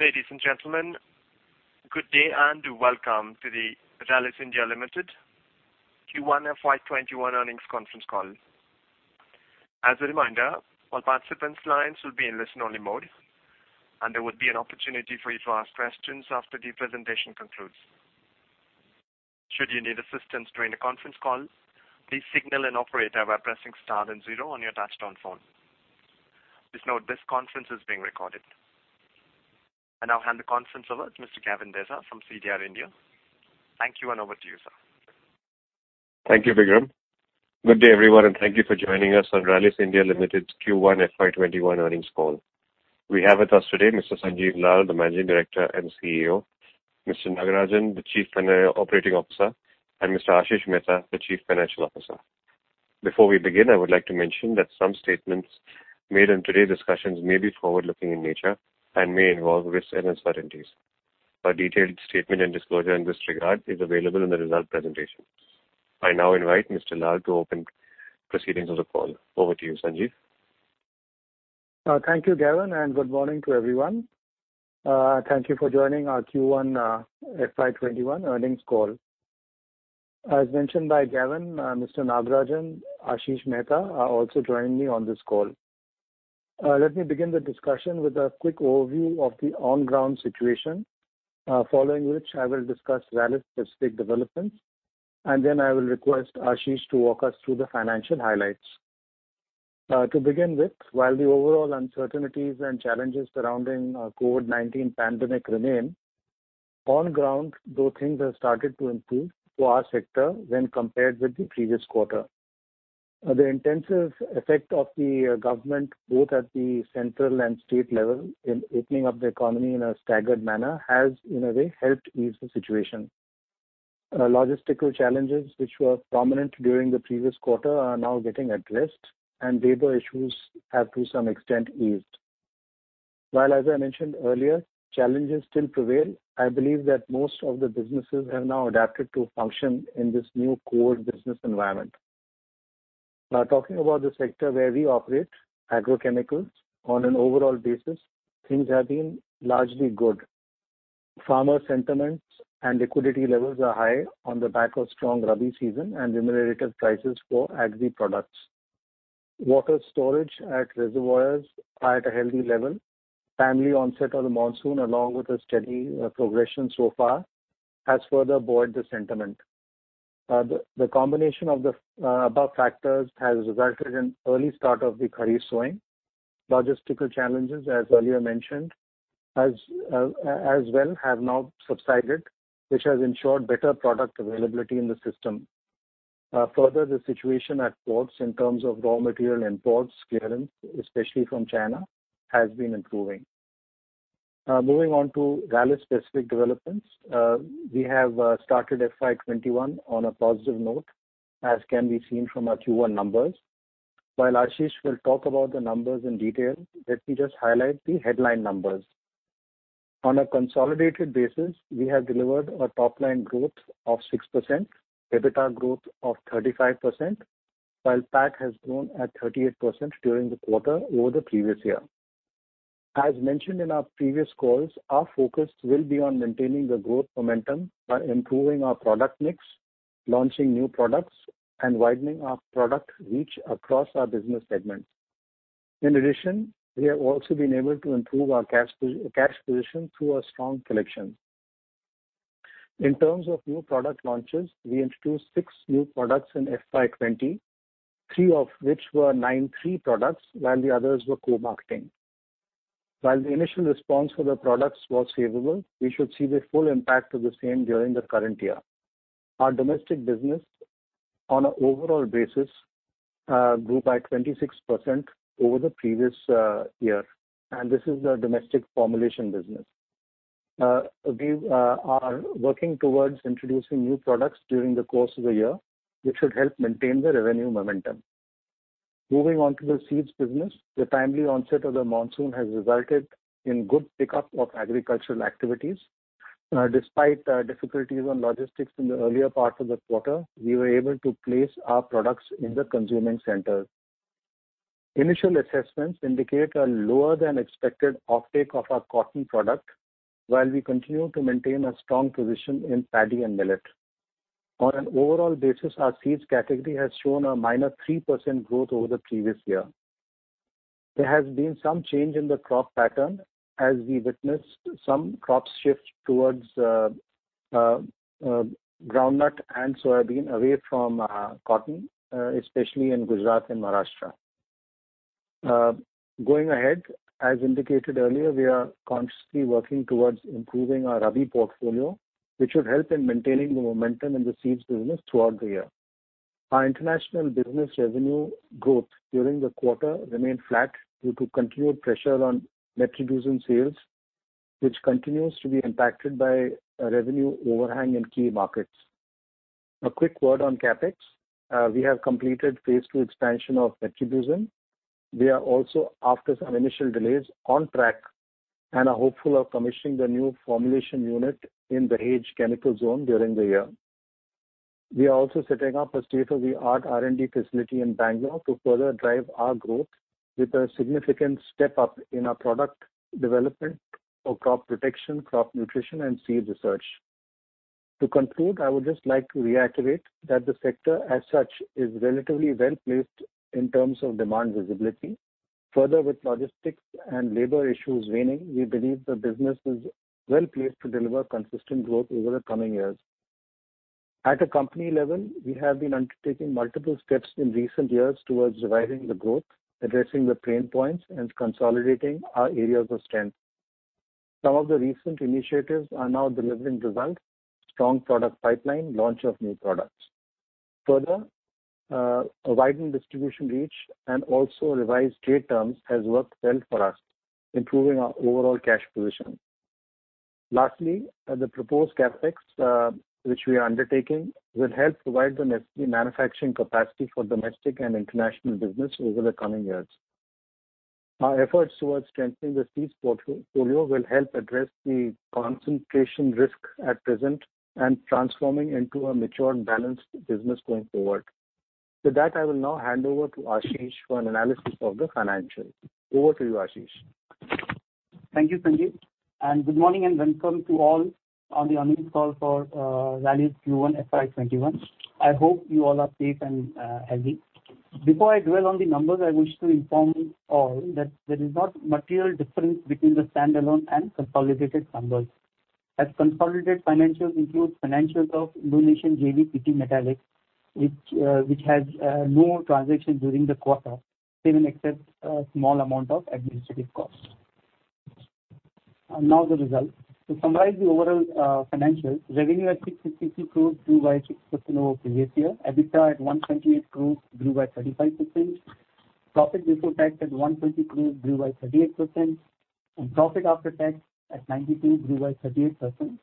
Ladies and gentlemen, good day and welcome to the Rallis India Limited Q1 FY 2021 Earnings Conference Call. As a reminder, all participants' lines will be in listen-only mode, and there will be an opportunity for you to ask questions after the presentation concludes. Should you need assistance during the conference call, please signal an operator by pressing star and zero on your touchtone phone. Please note this conference is being recorded. I now hand the conference over to Mr. Gavin Desa from CDR India. Thank you, and over to you, sir. Thank you, Vikram. Good day, everyone, and thank you for joining us on Rallis India Limited Q1 FY 2021 Earnings Call. We have with us today Mr. Sanjiv Lal, the Managing Director and CEO; Mr. Nagarajan, the Chief Operating Officer; and Mr. Ashish Mehta, the Chief Financial Officer. Before we begin, I would like to mention that some statements made in today's discussions may be forward-looking in nature and may involve risks and uncertainties. A detailed statement and disclosure in this regard is available in the result presentation. I now invite Mr. Lal to open proceedings of the call. Over to you, Sanjiv. Thank you, Gavin. Good morning to everyone. Thank you for joining our Q1 FY 2021 Earnings Call. As mentioned by Gavin, Mr. Nagarajan, Ashish Mehta are also joining me on this call. Let me begin the discussion with a quick overview of the on-ground situation, following which I will discuss Rallis' specific developments. Then I will request Ashish to walk us through the financial highlights. To begin with, while the overall uncertainties and challenges surrounding COVID-19 pandemic remain, on ground, though things have started to improve for our sector when compared with the previous quarter. The intensive effect of the government, both at the central and state level in opening up the economy in a staggered manner has, in a way, helped ease the situation. Logistical challenges which were prominent during the previous quarter are now getting addressed, and labor issues have to some extent eased. While, as I mentioned earlier, challenges still prevail, I believe that most of the businesses have now adapted to function in this new core business environment. Now talking about the sector where we operate, agrochemicals, on an overall basis, things have been largely good. Farmer sentiments and liquidity levels are high on the back of strong rabi season and remunerative prices for agri-products. Water storage at reservoirs are at a healthy level. Timely onset of the monsoon, along with a steady progression so far, has further buoyed the sentiment. The combination of the above factors has resulted in early start of the kharif sowing. Logistical challenges, as earlier mentioned, as well have now subsided, which has ensured better product availability in the system. Further, the situation at ports in terms of raw material imports clearance, especially from China, has been improving. Moving on to Rallis specific developments. We have started FY 2021 on a positive note, as can be seen from our Q1 numbers. While Ashish will talk about the numbers in detail, let me just highlight the headline numbers. On a consolidated basis, we have delivered a top-line growth of 6%, EBITDA growth of 35%, while PAT has grown at 38% during the quarter over the previous year. As mentioned in our previous calls, our focus will be on maintaining the growth momentum by improving our product mix, launching new products, and widening our product reach across our business segments. In addition, we have also been able to improve our cash position through our strong collections. In terms of new product launches, we introduced six new products in FY 2020, three of which were 9(3) products, while the others were co-marketing. While the initial response for the products was favorable, we should see the full impact of the same during the current year. Our domestic business, on an overall basis, grew by 26% over the previous year, and this is our domestic formulation business. We are working towards introducing new products during the course of the year, which should help maintain the revenue momentum. Moving on to the seeds business. The timely onset of the monsoon has resulted in good pickup of agricultural activities. Despite difficulties on logistics in the earlier part of the quarter, we were able to place our products in the consuming centers. Initial assessments indicate a lower-than-expected offtake of our cotton product, while we continue to maintain a strong position in paddy and millet. On an overall basis, our seeds category has shown a -3% growth over the previous year. There has been some change in the crop pattern, as we witnessed some crops shift towards groundnut and soybean away from cotton, especially in Gujarat and Maharashtra. Going ahead, as indicated earlier, we are consciously working towards improving our rabi portfolio, which should help in maintaining the momentum in the seeds business throughout the year. Our international business revenue growth during the quarter remained flat due to continued pressure on metribuzin sales, which continues to be impacted by a revenue overhang in key markets. A quick word on CapEx. We have completed phase 2 expansion of metribuzin. We are also, after some initial delays, on track and are hopeful of commissioning the new formulation unit in the Dahej Chemical Zone during the year. We are also setting up a state-of-the-art R&D facility in Bangalore to further drive our growth with a significant step up in our product development for crop protection, crop nutrition, and seed research. To conclude, I would just like to reiterate that the sector as such is relatively well-placed in terms of demand visibility. Further, with logistics and labor issues waning, we believe the business is well-placed to deliver consistent growth over the coming years. At a company level, we have been undertaking multiple steps in recent years towards reviving the growth, addressing the pain points, and consolidating our areas of strength. Some of the recent initiatives are now delivering results, strong product pipeline, launch of new products. Further, a widened distribution reach and also revised trade terms has worked well for us, improving our overall cash position. Lastly, the proposed CapEx, which we are undertaking, will help provide the necessary manufacturing capacity for domestic and international business over the coming years. Our efforts towards strengthening the seeds portfolio will help address the concentration risk at present and transforming into a mature and balanced business going forward. With that, I will now hand over to Ashish for an analysis of the financials. Over to you, Ashish. Thank you, Sanjiv. Good morning and welcome to all on the earnings call for Rallis Q1 FY 2021. I hope you all are safe and healthy. Before I dwell on the numbers, I wish to inform you all that there is no material difference between the standalone and consolidated numbers, as consolidated financials include financials of Indonesian JV PT Metahelix, which has no transactions during the quarter, save and except a small amount of administrative costs. Now the results. To summarize the overall financials, revenue at 652 crores grew by 6% over previous year. EBITDA at 128 crores grew by 35%. Profit before tax at 120 crores grew by 38%, and profit after tax at 90 crores grew by 38%.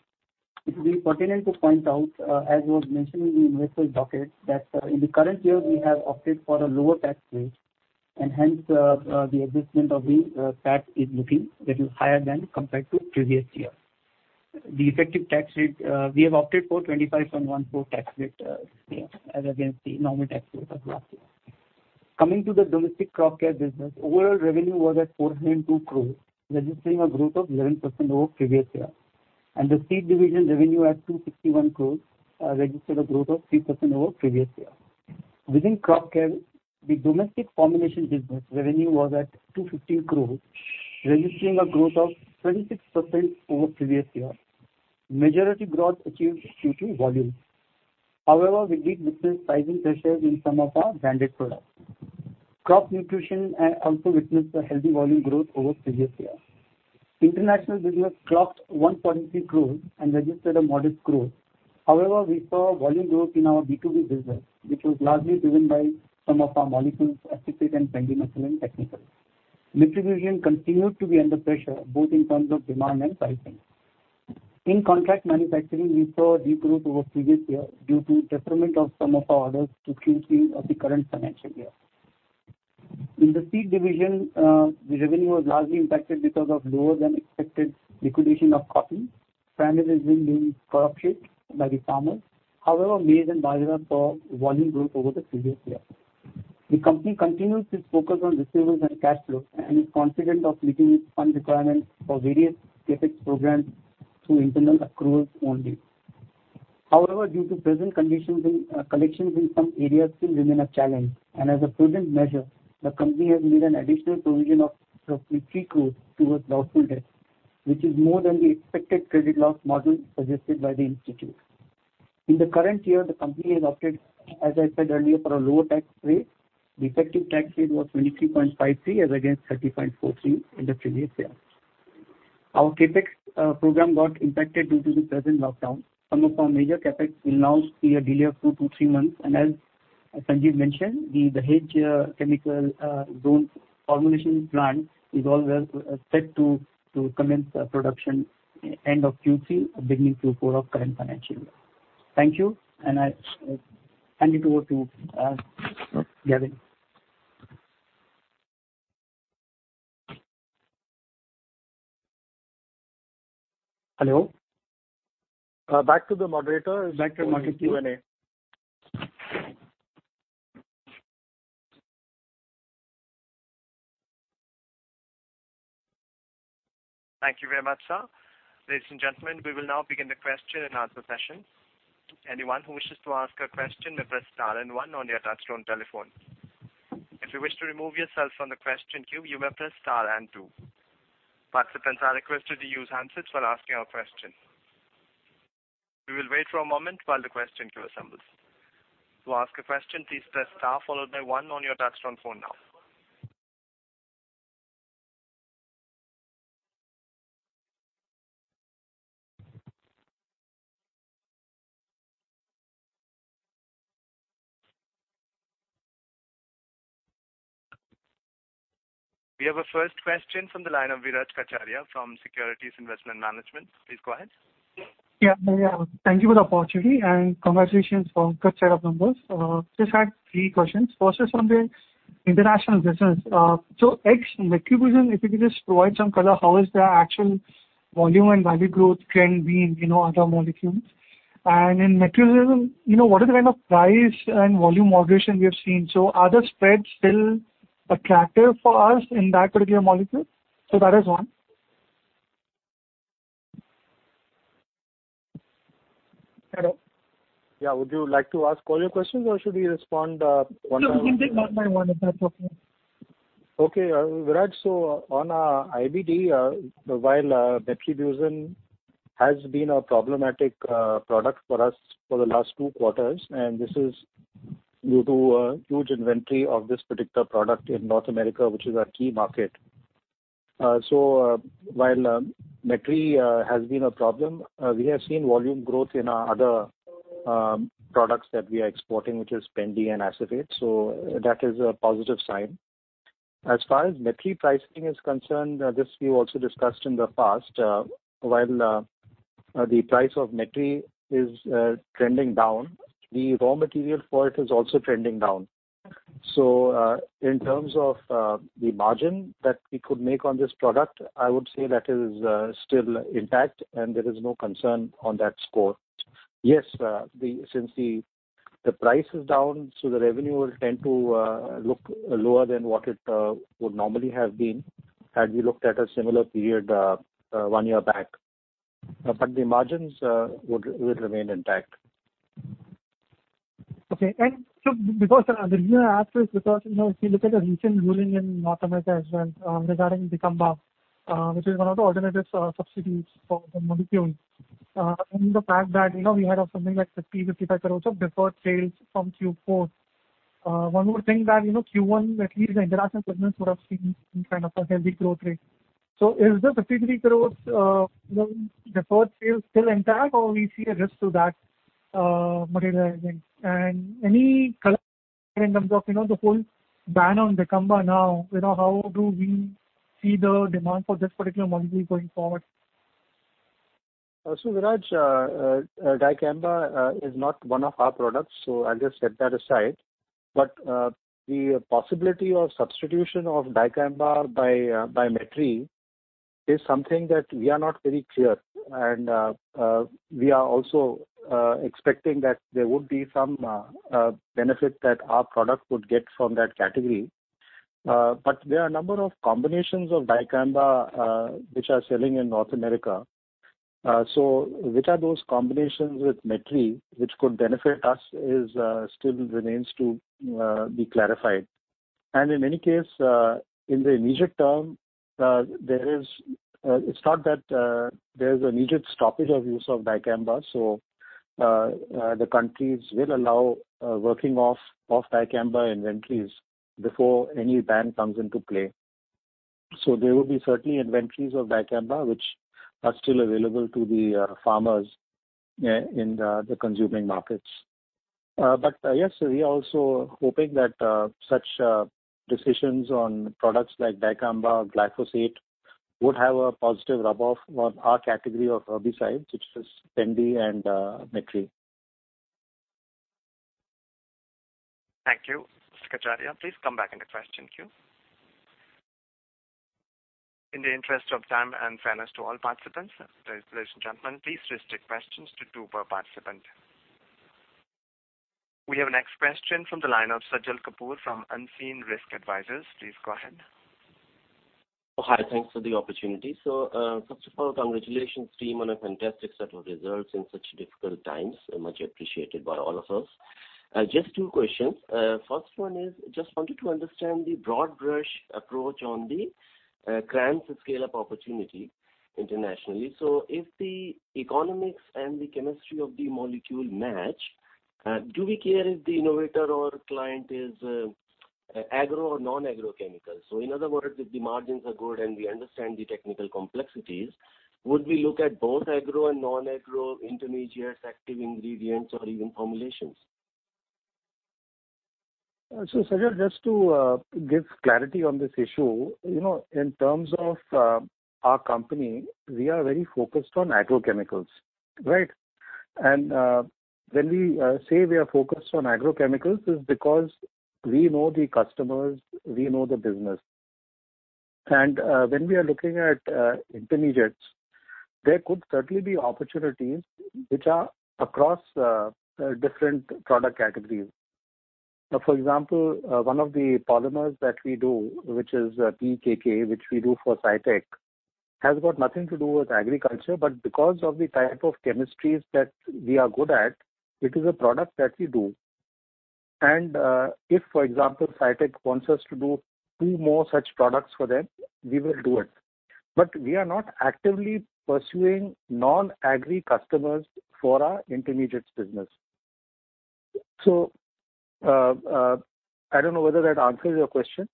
It will be pertinent to point out, as was mentioned in the investor docket, that in the current year we have opted for a lower tax rate, and hence the adjustment of the tax is looking a little higher than compared to previous year. The effective tax rate, we have opted for 25.14% tax rate this year as against the normal tax rate of last year. Coming to the domestic crop care business, overall revenue was at 402 crores, registering a growth of 11% over the previous year. The seed division revenue at 261 crores registered a growth of 3% over the previous year. Within crop care, the domestic formulation business revenue was at 215 crores, registering a growth of 26% over the previous year. Majority growth achieved due to volume. However, we did witness pricing pressures in some of our branded products. Crop nutrition also witnessed a healthy volume growth over the previous year. International business clocked 143 crores and registered a modest growth. However, we saw volume growth in our B2B business, which was largely driven by some of our molecules, acephate and pendimethalin technical. Distribution continued to be under pressure, both in terms of demand and pricing. In contract manufacturing, we saw a de-growth over the previous year due to deferment of some of our orders to Q3 of the current financial year. In the seed division, the revenue was largely impacted because of lower-than-expected liquidation of cotton. Farmers have been doing crop share by the farmers. However, maize and bajra saw volume growth over the previous year. The company continues its focus on receivables and cash flow and is confident of meeting its fund requirements for various CapEx programs through internal accruals only. However, due to present conditions in collections in some areas still remain a challenge, as a prudent measure, the company has made an additional provision of roughly 3 crores towards doubtful debts, which is more than the expected credit loss model suggested by the institute. In the current year, the company has opted, as I said earlier, for a lower tax rate. The effective tax rate was 23.53% as against 30.43% in the previous year. Our CapEx program got impacted due to the present lockdown. Some of our major CapEx will now see a delay of two to three months. As Sanjiv mentioned, the Dahej Chemical Zone formulation plant is all well set to commence production end of Q3 or beginning Q4 of current financial year. Thank you, and I hand it over to Gavin. Hello. Back to the moderator. Back to market Q&A. Thank you very much, sir. Ladies and gentlemen, we will now begin the question and answer session. Anyone who wishes to ask a question may press star and one on your touchtone telephone. If you wish to remove yourself from the question queue, you may press star and two. Participants are requested to use handsets while asking a question. We will wait for a moment while the question queue assembles. To ask a question, please press star followed by one on your touchtone phone now. We have our first question from the line of Viraj Kacharia from Securities Investment Management. Please go ahead. Yeah. Thank you for the opportunity and congratulations for a good set of numbers. Just had three questions. First is on the International business. X metribuzin, if you could just provide some color, how is the actual volume and value growth trend being in other molecules? In metribuzin, what is the kind of price and volume moderation we have seen? Are the spreads still attractive for us in that particular molecule? That is one. Hello? Yeah. Would you like to ask all your questions or should we respond one by one? No, you can take one by one if that's okay. Okay. Viraj, on IBD, while metribuzin has been a problematic product for us for the last two quarters, this is due to a huge inventory of this particular product in North America, which is our key market. While metri has been a problem, we have seen volume growth in our other products that we are exporting, which is pendi and acephate, that is a positive sign. As far as metri pricing is concerned, this we also discussed in the past. While the price of metri is trending down, the raw material for it is also trending down. In terms of the margin that we could make on this product, I would say that is still intact and there is no concern on that score. Yes, since the price is down, the revenue will tend to look lower than what it would normally have been had we looked at a similar period one year back. The margins would remain intact. The reason I ask is because, if you look at the recent ruling in North America as well regarding dicamba, which is one of the alternative substitutes for the molecule, the fact that we had something like 50 crore-55 crore of deferred sales from Q4. One would think that Q1, at least the international business would have seen some kind of a healthy growth rate. Is the 53 crore deferred sales still intact or we see a risk to that materializing? Any color in terms of the whole ban on dicamba now, how do we see the demand for this particular molecule going forward? Viraj, dicamba is not one of our products, so I'll just set that aside. The possibility of substitution of dicamba by metri is something that we are not very clear. We are also expecting that there would be some benefit that our product would get from that category. There are a number of combinations of dicamba which are selling in North America. Which are those combinations with metri, which could benefit us still remains to be clarified. In any case, in the immediate term, it's not that there's an immediate stoppage of use of dicamba, so the countries will allow working off of dicamba inventories before any ban comes into play. There will be certainly inventories of dicamba which are still available to the farmers in the consuming markets. Yes, we are also hoping that such decisions on products like dicamba, glyphosate would have a positive rub-off on our category of herbicides, which is pendi and metri. Thank you, Mr. Kacharia. Please come back in the question queue. In the interest of time and fairness to all participants, ladies and gentlemen, please restrict questions to two per participant. We have next question from the line of Sajal Kapoor from Unseen Risk Advisors. Please go ahead. Hi, thanks for the opportunity. First of all, congratulations team on a fantastic set of results in such difficult times, much appreciated by all of us. Just two questions. First one, just wanted to understand the broad brush approach on the clients and scale-up opportunity internationally. If the economics and the chemistry of the molecule match, do we care if the innovator or client is agro or non-agro chemical? In other words, if the margins are good and we understand the technical complexities, would we look at both agro and non-agro intermediates, active ingredients or even formulations? Sajal, just to give clarity on this issue. In terms of our company, we are very focused on agrochemicals. Right? When we say we are focused on agrochemicals, it's because we know the customers, we know the business. When we are looking at intermediates, there could certainly be opportunities which are across different product categories. For example, one of the polymers that we do, which is PEKK, which we do for Cytec, has got nothing to do with agriculture. Because of the type of chemistries that we are good at, it is a product that we do. If, for example, Cytec wants us to do two more such products for them, we will do it. We are not actively pursuing non-agro customers for our intermediates business. I don't know whether that answers your question.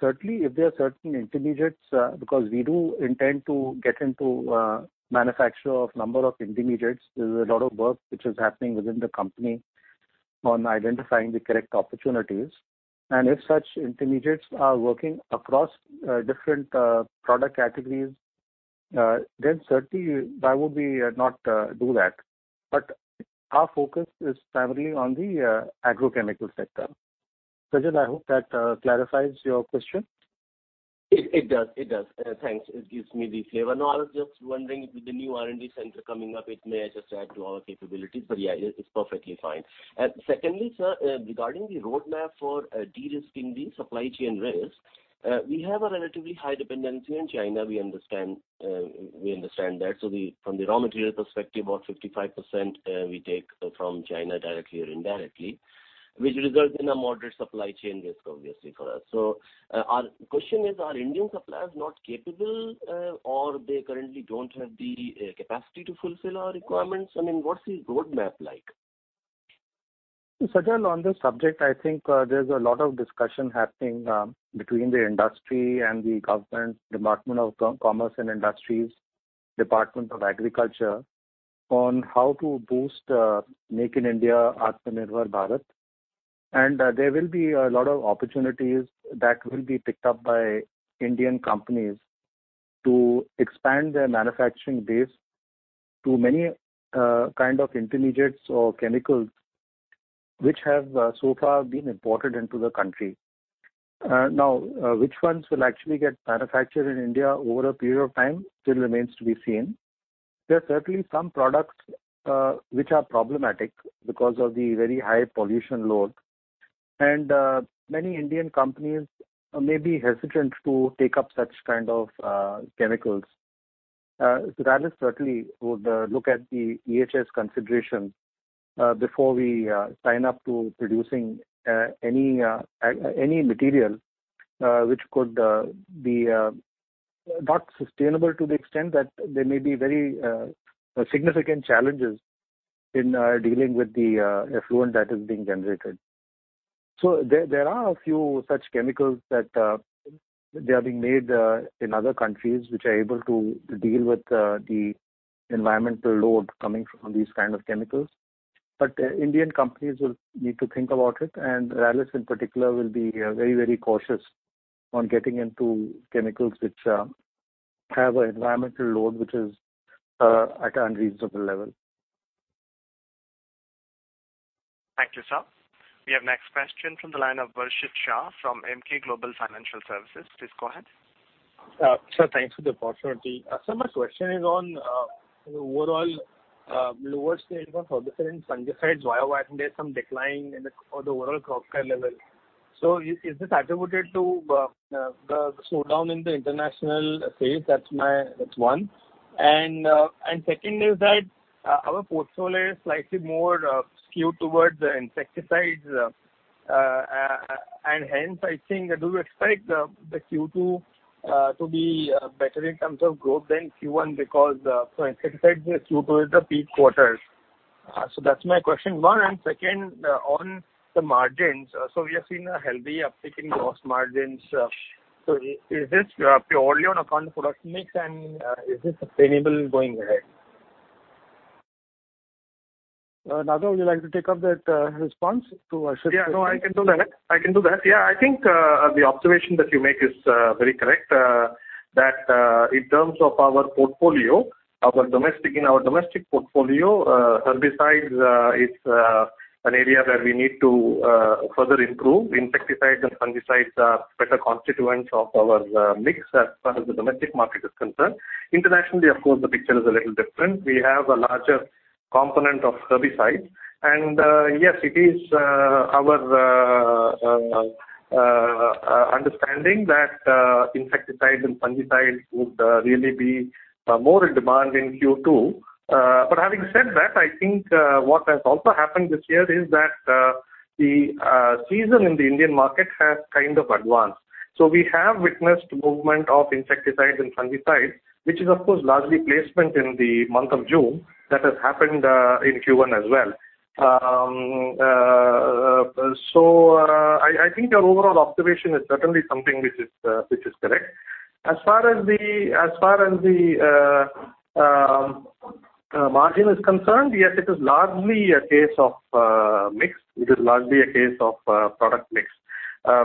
Certainly if there are certain intermediates, because we do intend to get into manufacture of number of intermediates. There's a lot of work which is happening within the company on identifying the correct opportunities. If such intermediates are working across different product categories, certainly, I would not do that. Our focus is primarily on the agrochemical sector. Sajal, I hope that clarifies your question. It does. Thanks. It gives me the flavor. I was just wondering with the new R&D center coming up, it may just add to our capabilities, but yeah, it's perfectly fine. Secondly, sir, regarding the roadmap for de-risking the supply chain risk, we have a relatively high dependency on China, we understand that. From the raw material perspective, about 55% we take from China directly or indirectly, which results in a moderate supply chain risk, obviously, for us. Our question is, are Indian suppliers not capable, or they currently don't have the capacity to fulfill our requirements? I mean, what's the roadmap like? Sanjiv, on this subject, I think there's a lot of discussion happening between the industry and the government, Department of Commerce and Industry, Department of Agriculture on how to boost Make in India, Atmanirbhar Bharat. There will be a lot of opportunities that will be picked up by Indian companies to expand their manufacturing base to many kind of intermediates or chemicals which have so far been imported into the country. Which ones will actually get manufactured in India over a period of time still remains to be seen. There are certainly some products which are problematic because of the very high pollution load. Many Indian companies may be hesitant to take up such kind of chemicals. Rallis certainly would look at the EHS consideration before we sign up to producing any material which could be not sustainable to the extent that there may be very significant challenges in dealing with the effluent that is being generated. There are a few such chemicals that they are being made in other countries which are able to deal with the environmental load coming from these kind of chemicals. Indian companies will need to think about it, and Rallis in particular, will be very cautious on getting into chemicals which have an environmental load which is at unreasonable level. Thank you, sir. We have next question from the line of Varshit Shah from Emkay Global Financial Services. Please go ahead. Sir, thanks for the opportunity. Sir, my question is on the overall lower stage on herbicides and fungicides, why there's some decline in the overall crop care level. Is this attributed to the slowdown in the international space? That's one. Second is that our portfolio is slightly more skewed towards the insecticides and hence I think, do you expect the Q2 to be better in terms of growth than Q1 because for insecticides, Q2 is the peak quarter. That's my question one. Second, on the margins. We have seen a healthy uptick in gross margins. Is this purely on account of product mix and is this sustainable going ahead? Nagarajan, would you like to take up that response to Varshit's question? Yeah, no, I can do that. I think the observation that you make is very correct, that in terms of our portfolio, in our domestic portfolio, herbicides is an area where we need to further improve. Insecticides and fungicides are better constituents of our mix as far as the domestic market is concerned. Internationally, of course, the picture is a little different. We have a larger component of herbicides. Yes, it is our understanding that insecticides and fungicides would really be more in demand in Q2. Having said that, I think what has also happened this year is that the season in the Indian market has kind of advanced. We have witnessed movement of insecticides and fungicides, which is, of course, largely placement in the month of June that has happened in Q1 as well. I think your overall observation is certainly something which is correct. As far as the margin is concerned, yes, it is largely a case of product mix.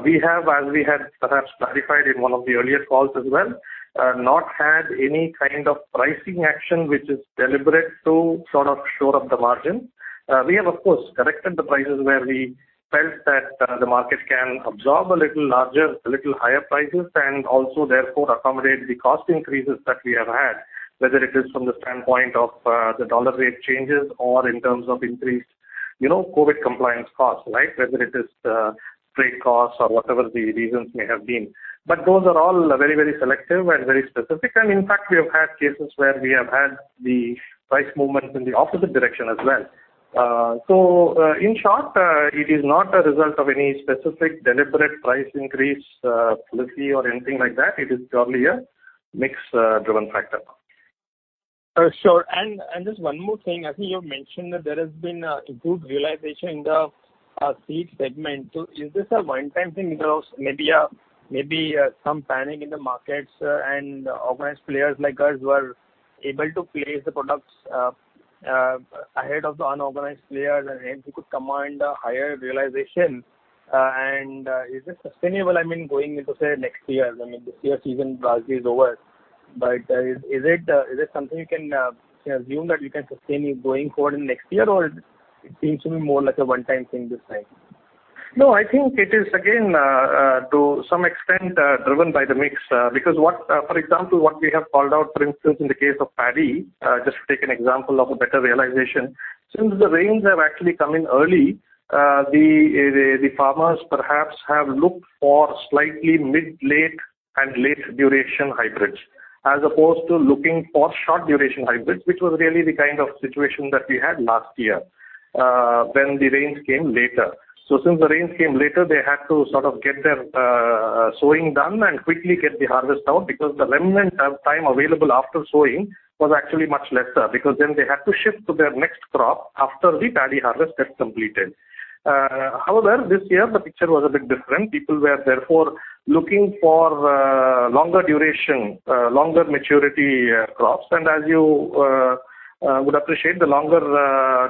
We have, as we had perhaps clarified in one of the earlier calls as well, not had any kind of pricing action which is deliberate to sort of shore up the margin. We have, of course, corrected the prices where we felt that the market can absorb a little larger, a little higher prices, and also therefore accommodate the cost increases that we have had, whether it is from the standpoint of the dollar rate changes or in terms of increased COVID compliance costs. Whether it is freight costs or whatever the reasons may have been. Those are all very selective and very specific. In fact, we have had cases where we have had the price movement in the opposite direction as well. In short, it is not a result of any specific deliberate price increase policy or anything like that. It is purely a mix-driven factor. Sure. Just one more thing. I think you mentioned that there has been a good realization in the seed segment. Is this a one-time thing because maybe some panic in the markets and organized players like ours were able to place the products ahead of the unorganized players and hence you could command a higher realization? Is it sustainable, going into, say, next year? This year's season is obviously over, but is it something you can assume that you can sustain going forward in next year, or it seems to be more like a one-time thing this time? No, I think it is again, to some extent, driven by the mix because for example, what we have called out, for instance, in the case of paddy, just to take an example of a better realization. Since the rains have actually come in early, the farmers perhaps have looked for slightly mid-late and late duration hybrids as opposed to looking for short duration hybrids, which was really the kind of situation that we had last year when the rains came later. Since the rains came later, they had to sort of get their sowing done and quickly get the harvest out because the remnant of time available after sowing was actually much lesser because then they had to shift to their next crop after the paddy harvest gets completed. However, this year the picture was a bit different. People were therefore looking for longer duration, longer maturity crops. As you would appreciate, the longer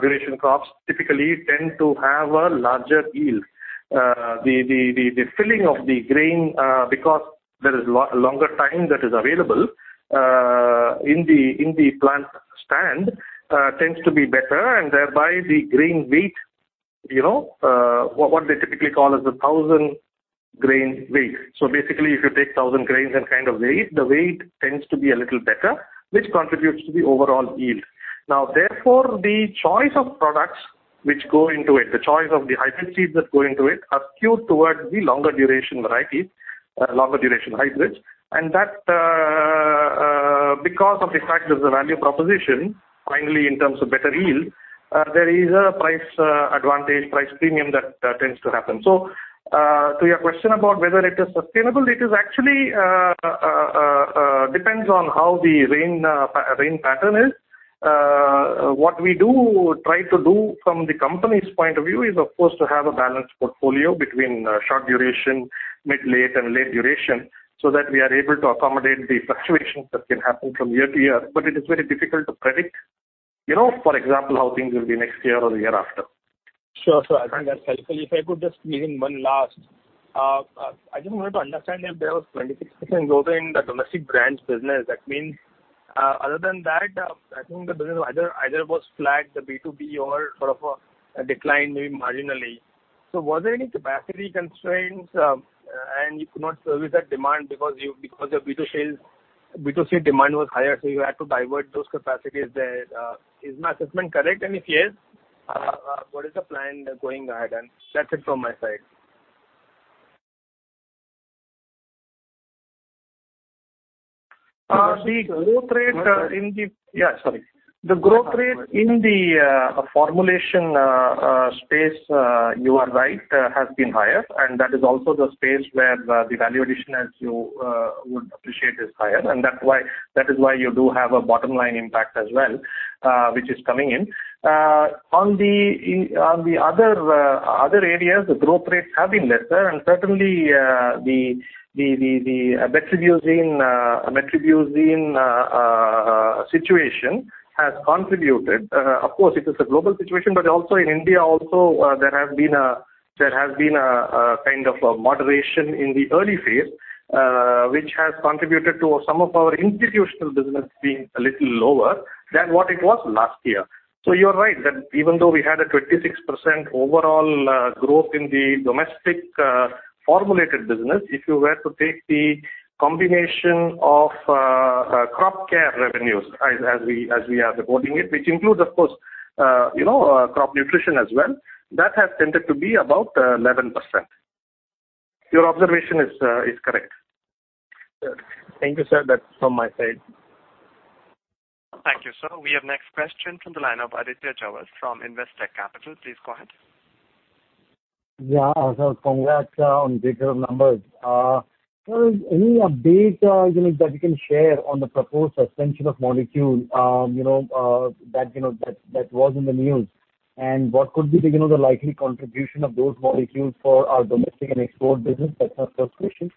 duration crops typically tend to have a larger yield. The filling of the grain, because there is longer time that is available in the plant stand tends to be better and thereby the grain weight, what they typically call as a 1,000 grain weight. Basically, if you take 1,000 grains and kind of weigh it, the weight tends to be a little better, which contributes to the overall yield. Therefore, the choice of products which go into it, the choice of the hybrid seeds that go into it are skewed towards the longer duration hybrids. That, because of the fact there's a value proposition finally in terms of better yield, there is a price advantage, price premium that tends to happen. To your question about whether it is sustainable, it actually depends on how the rain pattern is. What we try to do from the company's point of view is, of course, to have a balanced portfolio between short duration, mid-late, and late duration, so that we are able to accommodate the fluctuations that can happen from year to year, but it is very difficult to predict. For example, how things will be next year or the year after. Sure. I think that's helpful. If I could just squeeze in one last. I just wanted to understand if there was 26% growth in the domestic brands business, that means other than that, I think the business either was flat, the B2B or sort of a decline maybe marginally. Was there any capacity constraints, and you could not service that demand because your B2C demand was higher, so you had to divert those capacities there. Is my assessment correct? If yes, what is the plan going ahead? That's it from my side. The growth rate in the formulation space, you are right, has been higher, and that is also the space where the value addition as you would appreciate is higher. That is why you do have a bottom-line impact as well, which is coming in. On the other areas, the growth rates have been lesser and certainly, the metribuzin situation has contributed. Of course, it is a global situation. Also in India, there has been a kind of a moderation in the early phase, which has contributed to some of our institutional business being a little lower than what it was last year. You are right that even though we had a 26% overall growth in the domestic formulated business, if you were to take the combination of crop care revenues as we are reporting it, which includes, of course, crop nutrition as well, that has tended to be about 11%. Your observation is correct. Sure. Thank you, sir. That's from my side. Thank you, sir. We have next question from the line of Aditya Jhawar from Investec Capital. Please go ahead. Yeah. Sir, congrats on the overall numbers. Sir, any update that you can share on the proposed suspension of molecule that was in the news? What could be the likely contribution of those molecules for our domestic and export business? That's my first question.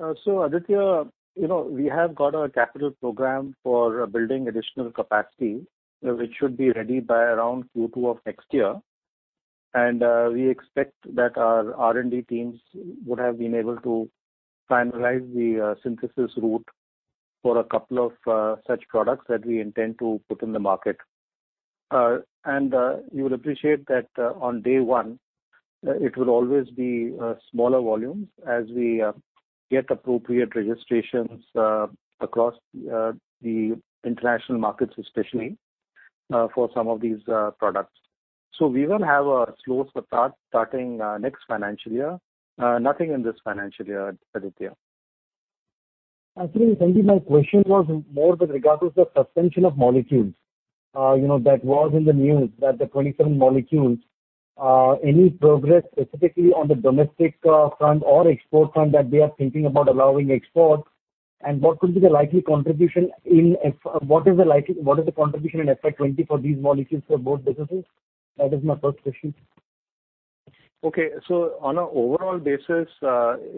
Aditya, we have got a capital program for building additional capacity, which should be ready by around Q2 of next year. We expect that our R&D teams would have been able to finalize the synthesis route for a couple of such products that we intend to put in the market. You would appreciate that on day one, it would always be smaller volumes as we get appropriate registrations across the international markets, especially for some of these products. We will have a slow start starting next financial year. Nothing in this financial year, Aditya. Absolutely. Sandy, my question was more with regards to the suspension of molecules that was in the news that the 27 molecules. Any progress specifically on the domestic front or export front that they are thinking about allowing exports and what is the contribution in FY 2020 for these molecules for both businesses? That is my first question. On an overall basis,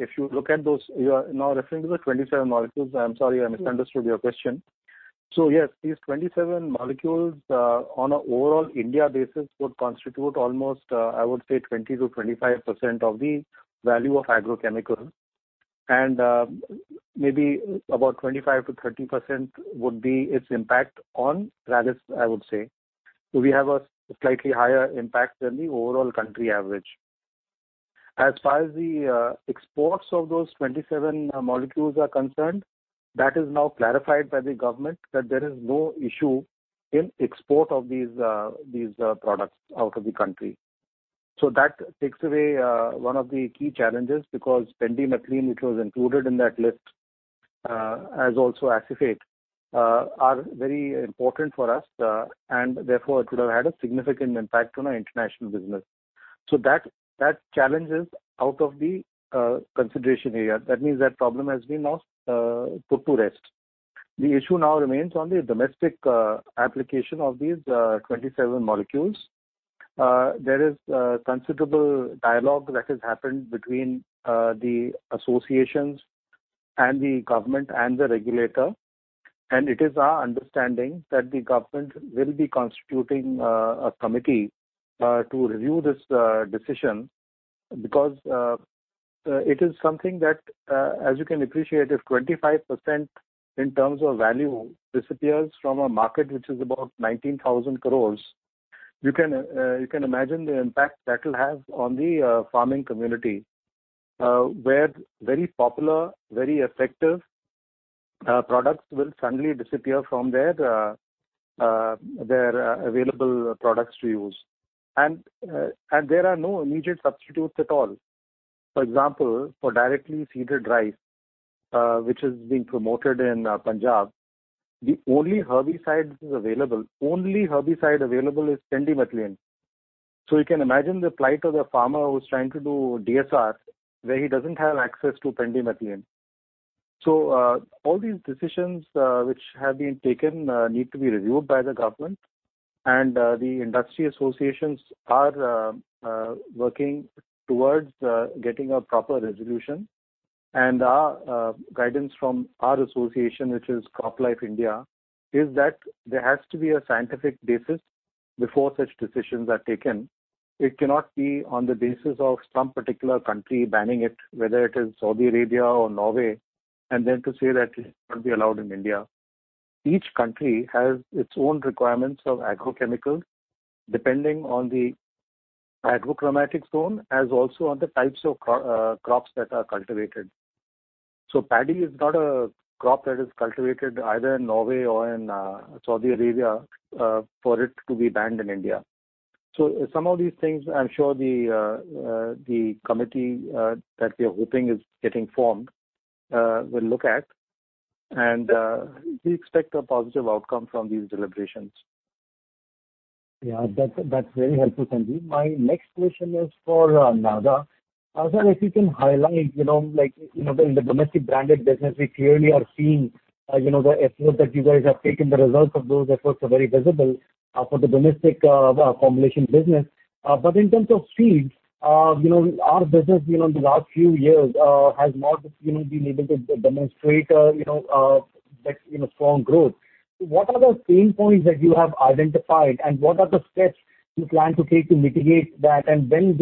if you look at those, you are now referring to the 27 molecules. I am sorry, I misunderstood your question. Yes, these 27 molecules, on an overall India basis, would constitute almost, I would say, 20%-25% of the value of agrochemicals. Maybe about 25%-30% would be its impact on Rallis, I would say. We have a slightly higher impact than the overall country average. As far as the exports of those 27 molecules are concerned, that is now clarified by the government that there is no issue in export of these products out of the country. That takes away one of the key challenges because pendimethalin, which was included in that list, as also acephate, are very important for us. Therefore, it would have had a significant impact on our international business. That challenge is out of the consideration area. That means that problem has been now put to rest. The issue now remains on the domestic application of these 27 molecules. There is considerable dialogue that has happened between the associations and the government and the regulator, and it is our understanding that the government will be constituting a committee to review this decision because it is something that, as you can appreciate, if 25% in terms of value disappears from a market which is about 19,000 crores, you can imagine the impact that will have on the farming community. Very popular, very effective products will suddenly disappear from their available products to use. There are no immediate substitutes at all. For example, for directly seeded rice, which is being promoted in Punjab, the only herbicide available is pendimethalin. You can imagine the plight of the farmer who is trying to do DSR, where he does not have access to pendimethalin. All these decisions which have been taken need to be reviewed by the government and the industry associations are working towards getting a proper resolution. Our guidance from our association, which is CropLife India, is that there has to be a scientific basis before such decisions are taken. It cannot be on the basis of some particular country banning it, whether it is Saudi Arabia or Norway, and then to say that it will not be allowed in India. Each country has its own requirements of agrochemicals depending on the agroclimatic zone, as also on the types of crops that are cultivated. Paddy is not a crop that is cultivated either in Norway or in Saudi Arabia for it to be banned in India. Some of these things, I am sure the committee that we are hoping is getting formed will look at, and we expect a positive outcome from these deliberations. Yeah, that's very helpful, Sanjiv. My next question is for Nagarajan. Nagarajan, if you can highlight, in the domestic branded business, we clearly are seeing the effort that you guys have taken. The results of those efforts are very visible for the domestic formulation business. In terms of seeds, our business in the last few years has not been able to demonstrate strong growth. What are the pain points that you have identified, and what are the steps you plan to take to mitigate that? When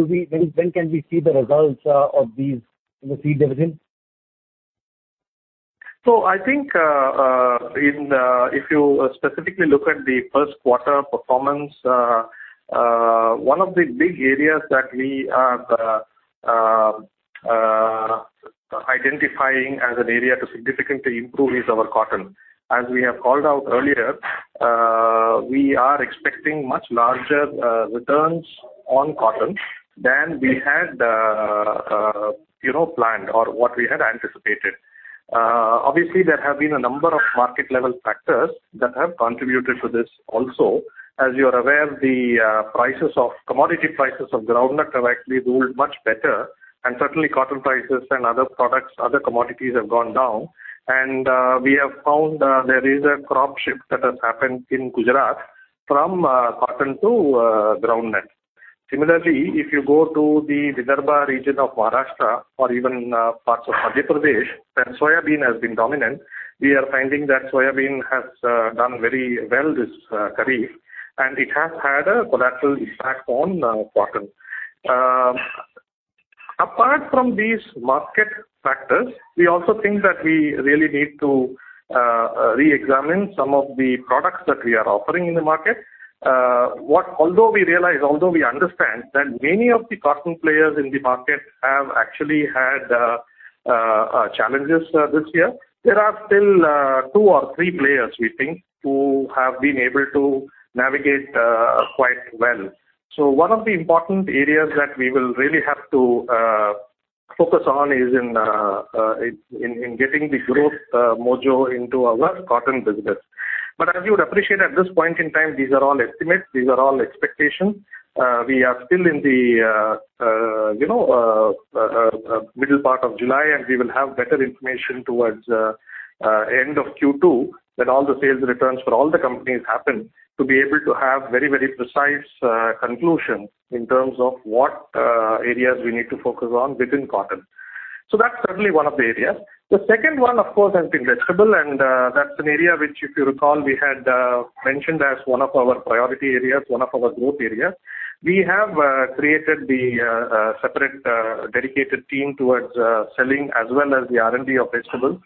can we see the results of these in the seed division? I think if you specifically look at the first quarter performance, one of the big areas that we are identifying as an area to significantly improve is our cotton. As we have called out earlier, we are expecting much larger returns on cotton than we had planned or what we had anticipated. Obviously, there have been a number of market-level factors that have contributed to this also. As you are aware, the commodity prices of groundnut have actually ruled much better, and certainly cotton prices and other products, other commodities, have gone down. We have found there is a crop shift that has happened in Gujarat from cotton to groundnut. Similarly, if you go to the Vidarbha region of Maharashtra or even parts of Madhya Pradesh, where soybean has been dominant, we are finding that soybean has done very well this kharif, and it has had a collateral impact on cotton. Apart from these market factors, we also think that we really need to reexamine some of the products that we are offering in the market. Although we realize, although we understand that many of the cotton players in the market have actually had challenges this year, there are still two or three players, we think, who have been able to navigate quite well. One of the important areas that we will really have to focus on is in getting the growth mojo into our cotton business. As you would appreciate at this point in time, these are all estimates. These are all expectations. We are still in the middle part of July, and we will have better information towards end of Q2 when all the sales returns for all the companies happen to be able to have very precise conclusions in terms of what areas we need to focus on within cotton. That's certainly one of the areas. The second one, of course, has been vegetable, and that's an area which, if you recall, we had mentioned as one of our priority areas, one of our growth areas. We have created the separate dedicated team towards selling as well as the R&D of vegetables.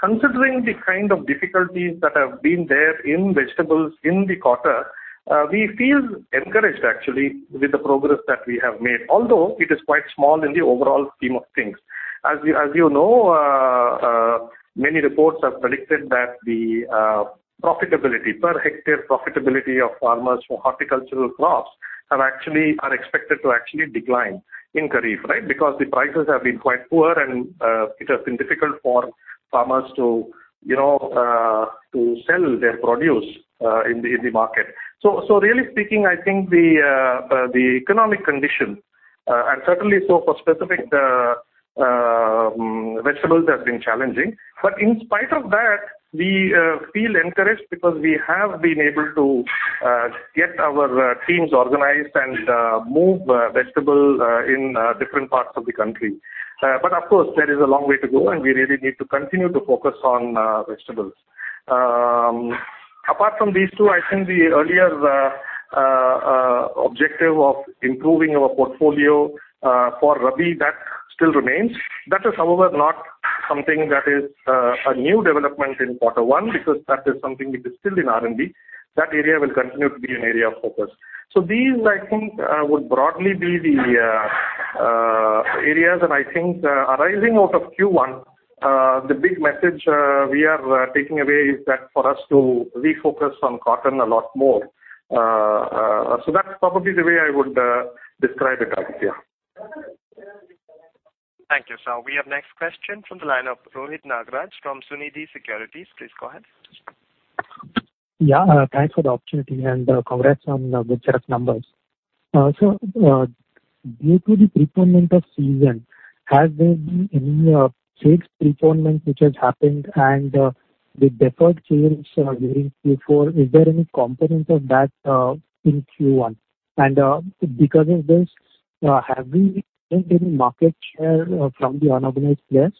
Considering the kind of difficulties that have been there in vegetables in the quarter, we feel encouraged actually with the progress that we have made, although it is quite small in the overall scheme of things. As you know, many reports have predicted that the profitability, per hectare profitability of farmers for horticultural crops are expected to actually decline in kharif. The prices have been quite poor and it has been difficult for farmers to sell their produce in the market. Really speaking, I think the economic condition and certainly so for specific vegetables has been challenging. In spite of that, we feel encouraged because we have been able to get our teams organized and move vegetable in different parts of the country. Of course, there is a long way to go and we really need to continue to focus on vegetables. Apart from these two, I think the earlier objective of improving our portfolio for rabi, that still remains. That is, however, not something that is a new development in Q1, because that is something which is still in R&D. That area will continue to be an area of focus. These, I think, would broadly be the areas and I think arising out of Q1, the big message we are taking away is that for us to refocus on cotton a lot more. That's probably the way I would describe it, Aditya. Thank you, sir. We have next question from the line of Rohit Nagraj from Suniti Securities. Please go ahead. Yeah. Thanks for the opportunity and congrats on the good set of numbers. Sir, due to the preponement of season, has there been any sales preponement which has happened and the deferred sales during Q4, is there any component of that in Q1? Because of this, have we gained any market share from the unorganized players?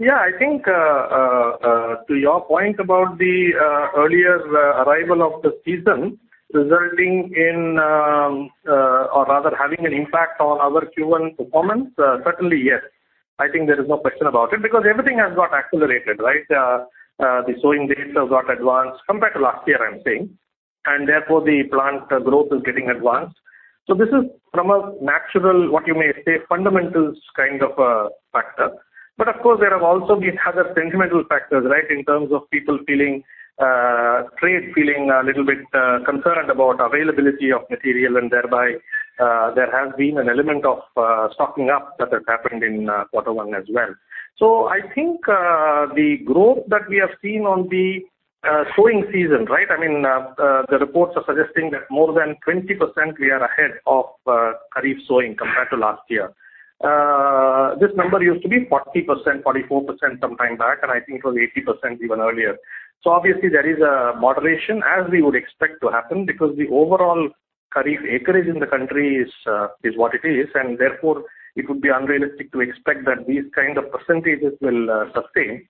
I think to your point about the earlier arrival of the season resulting in or rather having an impact on our Q1 performance, certainly, yes. I think there is no question about it because everything has got accelerated. The sowing dates have got advanced compared to last year, I'm saying. Therefore the plant growth is getting advanced. This is from a natural, what you may say, fundamentals kind of a factor. Of course, there have also been other sentimental factors in terms of people feeling trade, feeling a little bit concerned about availability of material, and thereby, there has been an element of stocking up that has happened in quarter one as well. I think the growth that we have seen on the sowing season. I mean, the reports are suggesting that more than 20% we are ahead of kharif sowing compared to last year. This number used to be 40%, 44% sometime back, I think it was 80% even earlier. Obviously there is a moderation as we would expect to happen because the overall kharif acreage in the country is what it is, therefore it would be unrealistic to expect that these kind of percentages will sustain.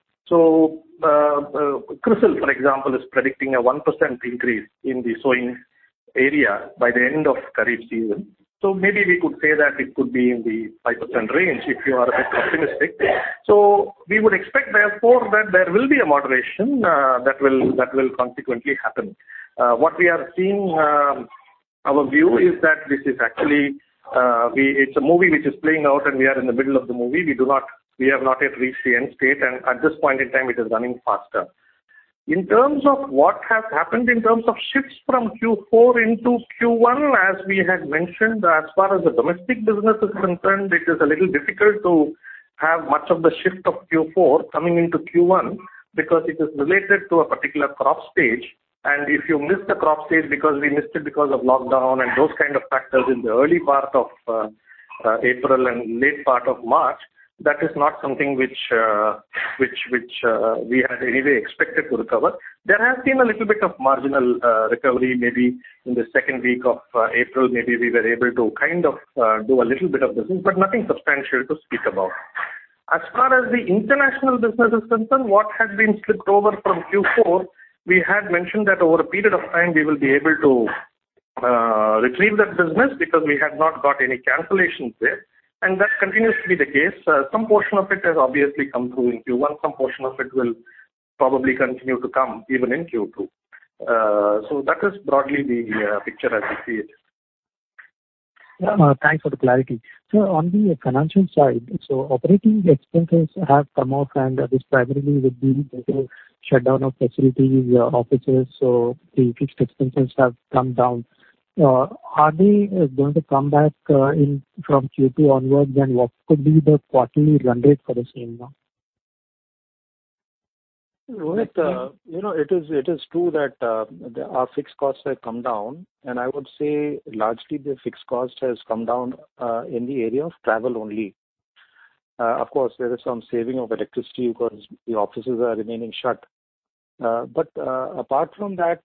CRISIL, for example, is predicting a 1% increase in the sowing area by the end of kharif season. Maybe we could say that it could be in the 5% range if you are a bit optimistic. We would expect therefore that there will be a moderation that will consequently happen. What we have seen, our view is that this is actually, it's a movie which is playing out and we are in the middle of the movie. We have not yet reached the end state, at this point in time it is running faster. In terms of what has happened in terms of shifts from Q4 into Q1, as we had mentioned, as far as the domestic business is concerned, it is a little difficult to have much of the shift of Q4 coming into Q1 because it is related to a particular crop stage. If you miss the crop stage because we missed it because of lockdown and those kind of factors in the early part of April and late part of March, that is not something which we had anyway expected to recover. There has been a little bit of marginal recovery, maybe in the second week of April, maybe we were able to kind of do a little bit of business, but nothing substantial to speak about. As far as the international business is concerned, what has been slipped over from Q4, we had mentioned that over a period of time, we will be able to retrieve that business because we had not got any cancellations there, that continues to be the case. Some portion of it has obviously come through in Q1. Some portion of it will probably continue to come even in Q2. That is broadly the picture as we see it. Yeah. Thanks for the clarity. Sir, on the financial side, operating expenses have come off and this primarily would be due to shutdown of facilities, offices. The fixed expenses have come down. Are they going to come back in from Q2 onwards? What could be the quarterly run rate for the same now? Rohit- You know, it is true that our fixed costs have come down, and I would say largely the fixed cost has come down in the area of travel only. Of course, there is some saving of electricity because the offices are remaining shut. Apart from that,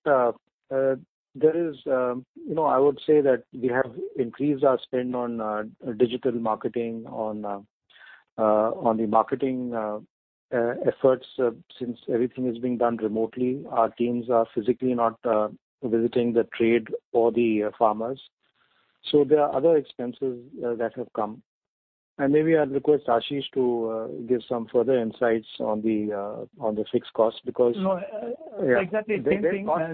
I would say that we have increased our spend on digital marketing, on the marketing efforts since everything is being done remotely. Our teams are physically not visiting the trade or the farmers. There are other expenses that have come. Maybe I'll request Ashish to give some further insights on the fixed cost because. No. Yeah. Exactly the same thing. The same cost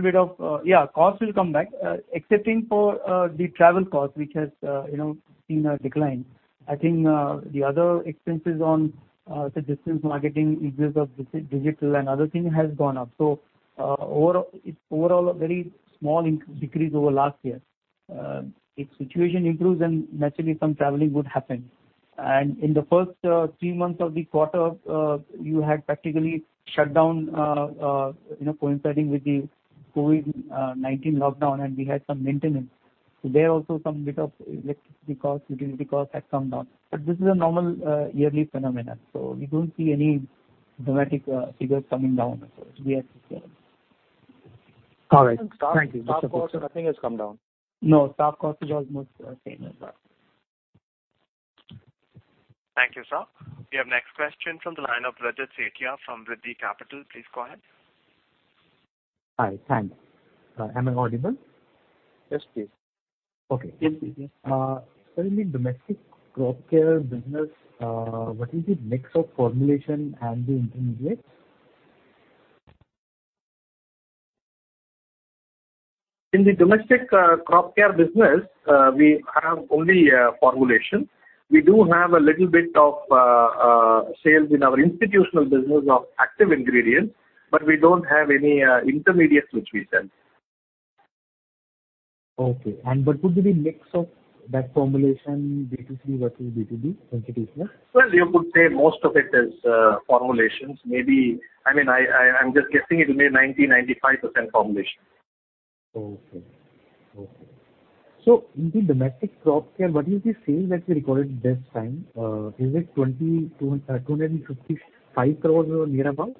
will come back. Cost will come back. Excepting for the travel cost, which has seen a decline. I think the other expenses on the distance marketing in terms of digital and other thing has gone up. Overall, a very small decrease over last year. If situation improves, then naturally some traveling would happen. In the first three months of the quarter, you had practically shut down coinciding with the COVID-19 lockdown, and we had some maintenance. There also some bit of electricity cost, utility cost had come down. This is a normal yearly phenomenon, so we don't see any dramatic figures coming down as such. We are still. All right. Thank you. Staff cost, I think has come down. No, staff cost is almost same as that. Thank you, sir. We have next question from the line of Rajat Sethia from Vriddhi Capital. Please go ahead. Hi. Thanks. Am I audible? Yes, please. Okay. Yes, please. Yes. Sir, in domestic crop care business, what is the mix of formulation and the intermediates? In the domestic crop care business, we have only formulation. We do have a little bit of sales in our institutional business of active ingredients, but we don't have any intermediates which we sell. Okay. What would be the mix of that formulation B2C versus B2B institutional? Well, you could say most of it is formulations. I'm just guessing it will be 90%, 95% formulation. Okay. In the domestic crop care, what is the sales that we recorded this time? Is it 255 crores or near about?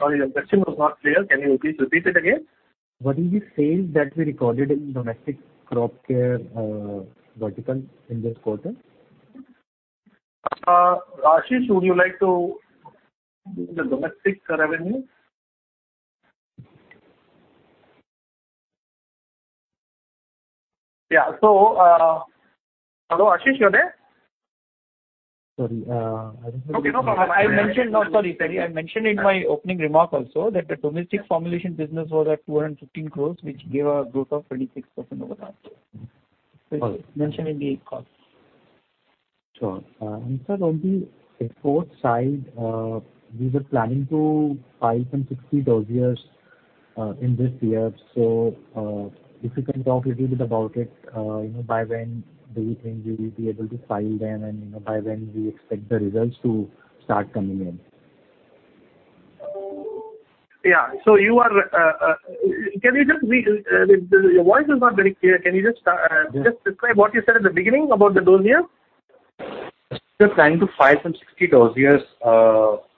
Sorry, your question was not clear. Can you please repeat it again? What is the sales that we recorded in domestic crop care vertical in this quarter? Ashish, would you like to give the domestic revenue? Yeah. Hello, Ashish, you there? Sorry. I don't have. Okay, no problem. I mentioned No, sorry. I mentioned in my opening remark also that the domestic formulation business was at 215 crores, which gave a growth of 26% over last year. All right. It is mentioned in the call. Sure. Sir, on the export side, we were planning to file some 60 dossiers in this year. If you can talk a little bit about it, by when do you think you will be able to file them, and by when do you expect the results to start coming in? Yeah. Your voice is not very clear. Can you just describe what you said at the beginning about the dossier? You're trying to file some 60 dossiers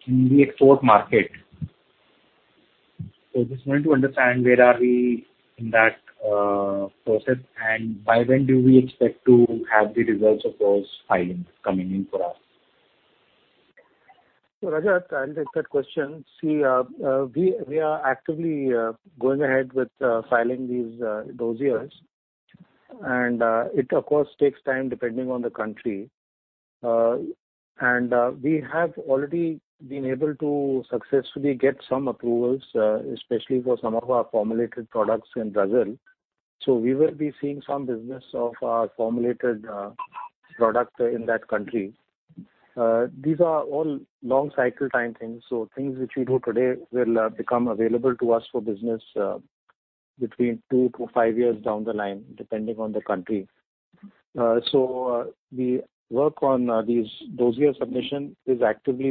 in the export market. Just want to understand where are we in that process, and by when do we expect to have the results of those filings coming in for us? Rajat, I'll take that question. See, we are actively going ahead with filing these dossiers. It, of course, takes time depending on the country. We have already been able to successfully get some approvals, especially for some of our formulated products in Brazil. We will be seeing some business of our formulated product in that country. These are all long cycle time things. Things which we do today will become available to us for business between two to five years down the line, depending on the country. The work on these dossier submission is actively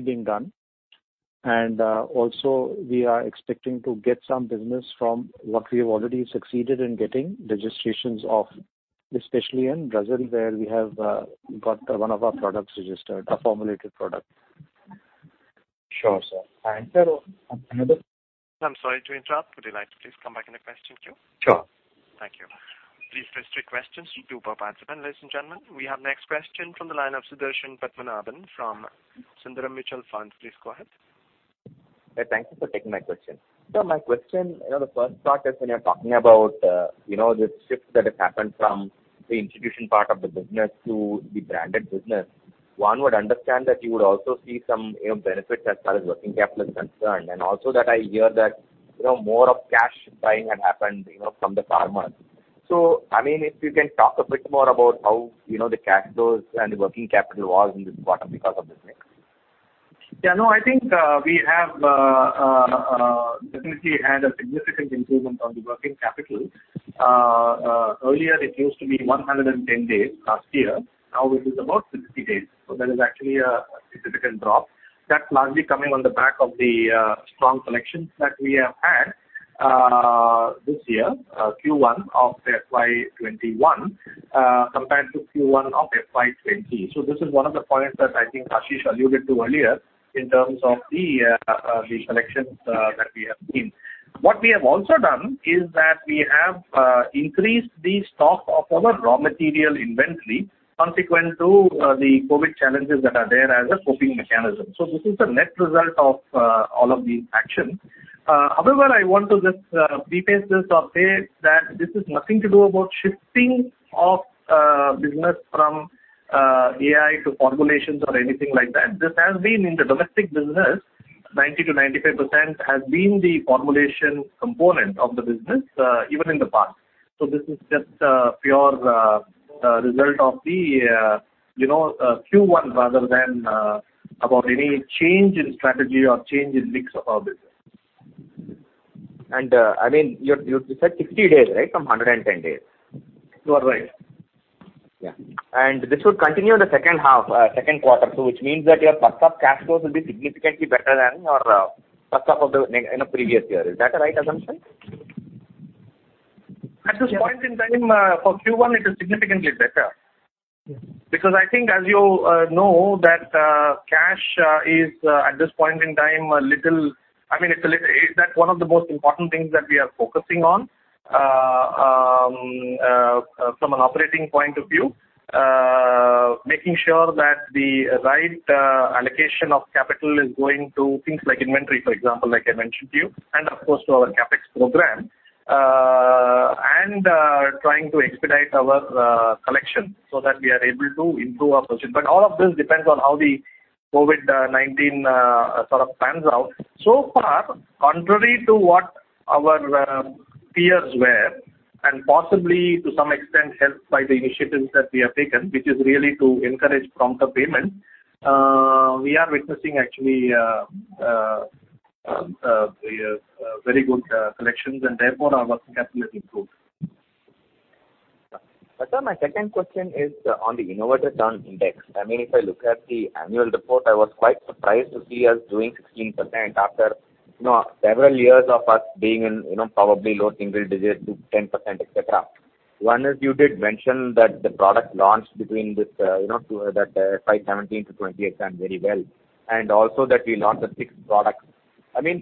being done, and also we are expecting to get some business from what we have already succeeded in getting registrations of, especially in Brazil where we have got one of our products registered, a formulated product. Sure, sir. Sir on another- I'm sorry to interrupt. Would you like to please come back in the question queue? Sure. Thank you. Please restrict questions to per participant. Ladies and gentlemen, we have next question from the line of B. Padmanaban from Sundaram Mutual Fund. Please go ahead. Thank you for taking my question. My question, the first part is when you're talking about the shift that has happened from the institution part of the business to the branded business, one would understand that you would also see some benefits as far as working capital is concerned, also that I hear that more of cash buying had happened from the farmers. If you can talk a bit more about how the cash flows and the working capital was in this quarter because of this mix. I think we have definitely had a significant improvement on the working capital. Earlier it used to be 110 days last year. Now it is about 60 days. There is actually a significant drop. That's largely coming on the back of the strong collections that we have had this year, Q1 of FY 2021, compared to Q1 of FY 2020. This is one of the points that I think Ashish alluded to earlier in terms of the selections that we have seen. What we have also done is that we have increased the stock of our raw material inventory consequent to the COVID challenges that are there as a coping mechanism. This is the net result of all of these actions. However, I want to just preface this or say that this is nothing to do about shifting of business from AI to formulations or anything like that. This has been in the domestic business, 90%-95% has been the formulation component of the business, even in the past. This is just a pure result of the Q1 rather than about any change in strategy or change in mix of our business. You said 60 days, right? From 110 days. You are right. Yeah. This would continue in the second quarter. Which means that your first half cash flows will be significantly better than your first half of the previous year. Is that a right assumption? At this point in time, for Q1, it is significantly better. Yes. I think, as you know, that cash is, at this point in time, one of the most important things that we are focusing on from an operating point of view. Making sure that the right allocation of capital is going to things like inventory, for example, like I mentioned to you, and of course, to our CapEx program. Trying to expedite our collection so that we are able to improve our position. All of this depends on how the COVID-19 sort of pans out. So far, contrary to what our peers were, and possibly to some extent helped by the initiatives that we have taken, which is really to encourage prompt payment, we are witnessing actually very good collections, and therefore our working capital has improved. Sir, my second question is on the Innovator Done Index. If I look at the annual report, I was quite surprised to see us doing 16% after several years of us being in probably low single digits to 10%, et cetera. One is, you did mention that the product launched between that FY 2017 to 2020 has done very well. Also that we launched six products.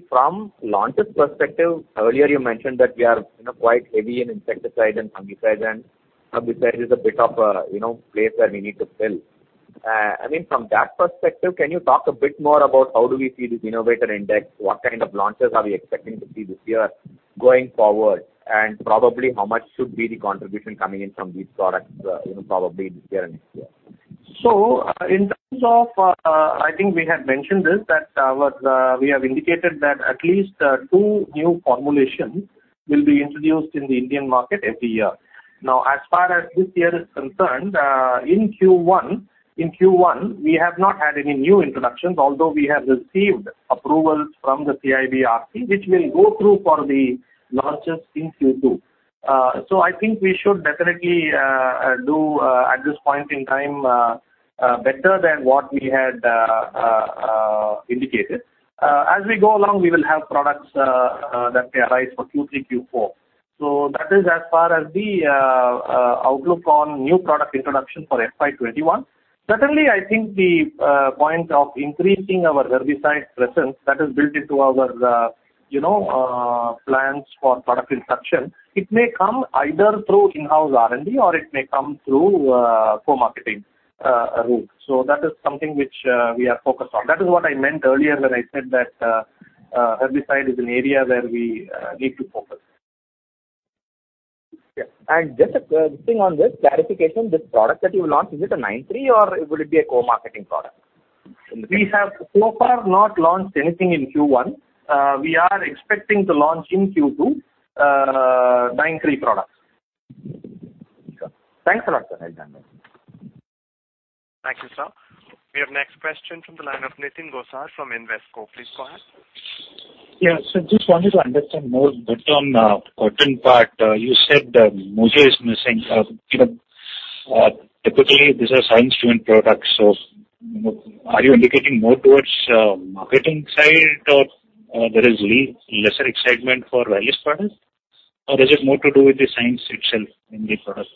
From launches perspective, earlier you mentioned that we are quite heavy in insecticide and fungicide, and herbicide is a bit of a place where we need to fill. From that perspective, can you talk a bit more about how do we see this Innovator Done Index? What kind of launches are we expecting to see this year going forward? Probably how much should be the contribution coming in from these products probably this year and next year? In terms of, I think we have mentioned this, that we have indicated that at least two new formulations will be introduced in the Indian market every year. As far as this year is concerned, in Q1, we have not had any new introductions, although we have received approvals from the CIBRC, which will go through for the launches in Q2. I think we should definitely do, at this point in time, better than what we had indicated. As we go along, we will have products that may arise for Q3, Q4. That is as far as the outlook on new product introduction for FY 2021. Certainly, I think the point of increasing our herbicide presence, that is built into our plans for product introduction. It may come either through in-house R&D or it may come through co-marketing route. That is something which we are focused on. That is what I meant earlier when I said that herbicide is an area where we need to focus. Just a thing on this, clarification, this product that you launched, is it a 9(3) or would it be a co-marketing product? We have so far not launched anything in Q1. We are expecting to launch in Q2, nine new products. Sure. Thanks a lot, sir. Welcome. Thank you, sir. We have next question from the line of Nitin Gosar from Invesco. Please go ahead. Yeah. Just wanted to understand more bit on cotton part. You said the mojo is missing. Typically, these are science-driven products, so are you indicating more towards marketing side, or there is really lesser excitement for Rallis products? Is it more to do with the science itself in the product?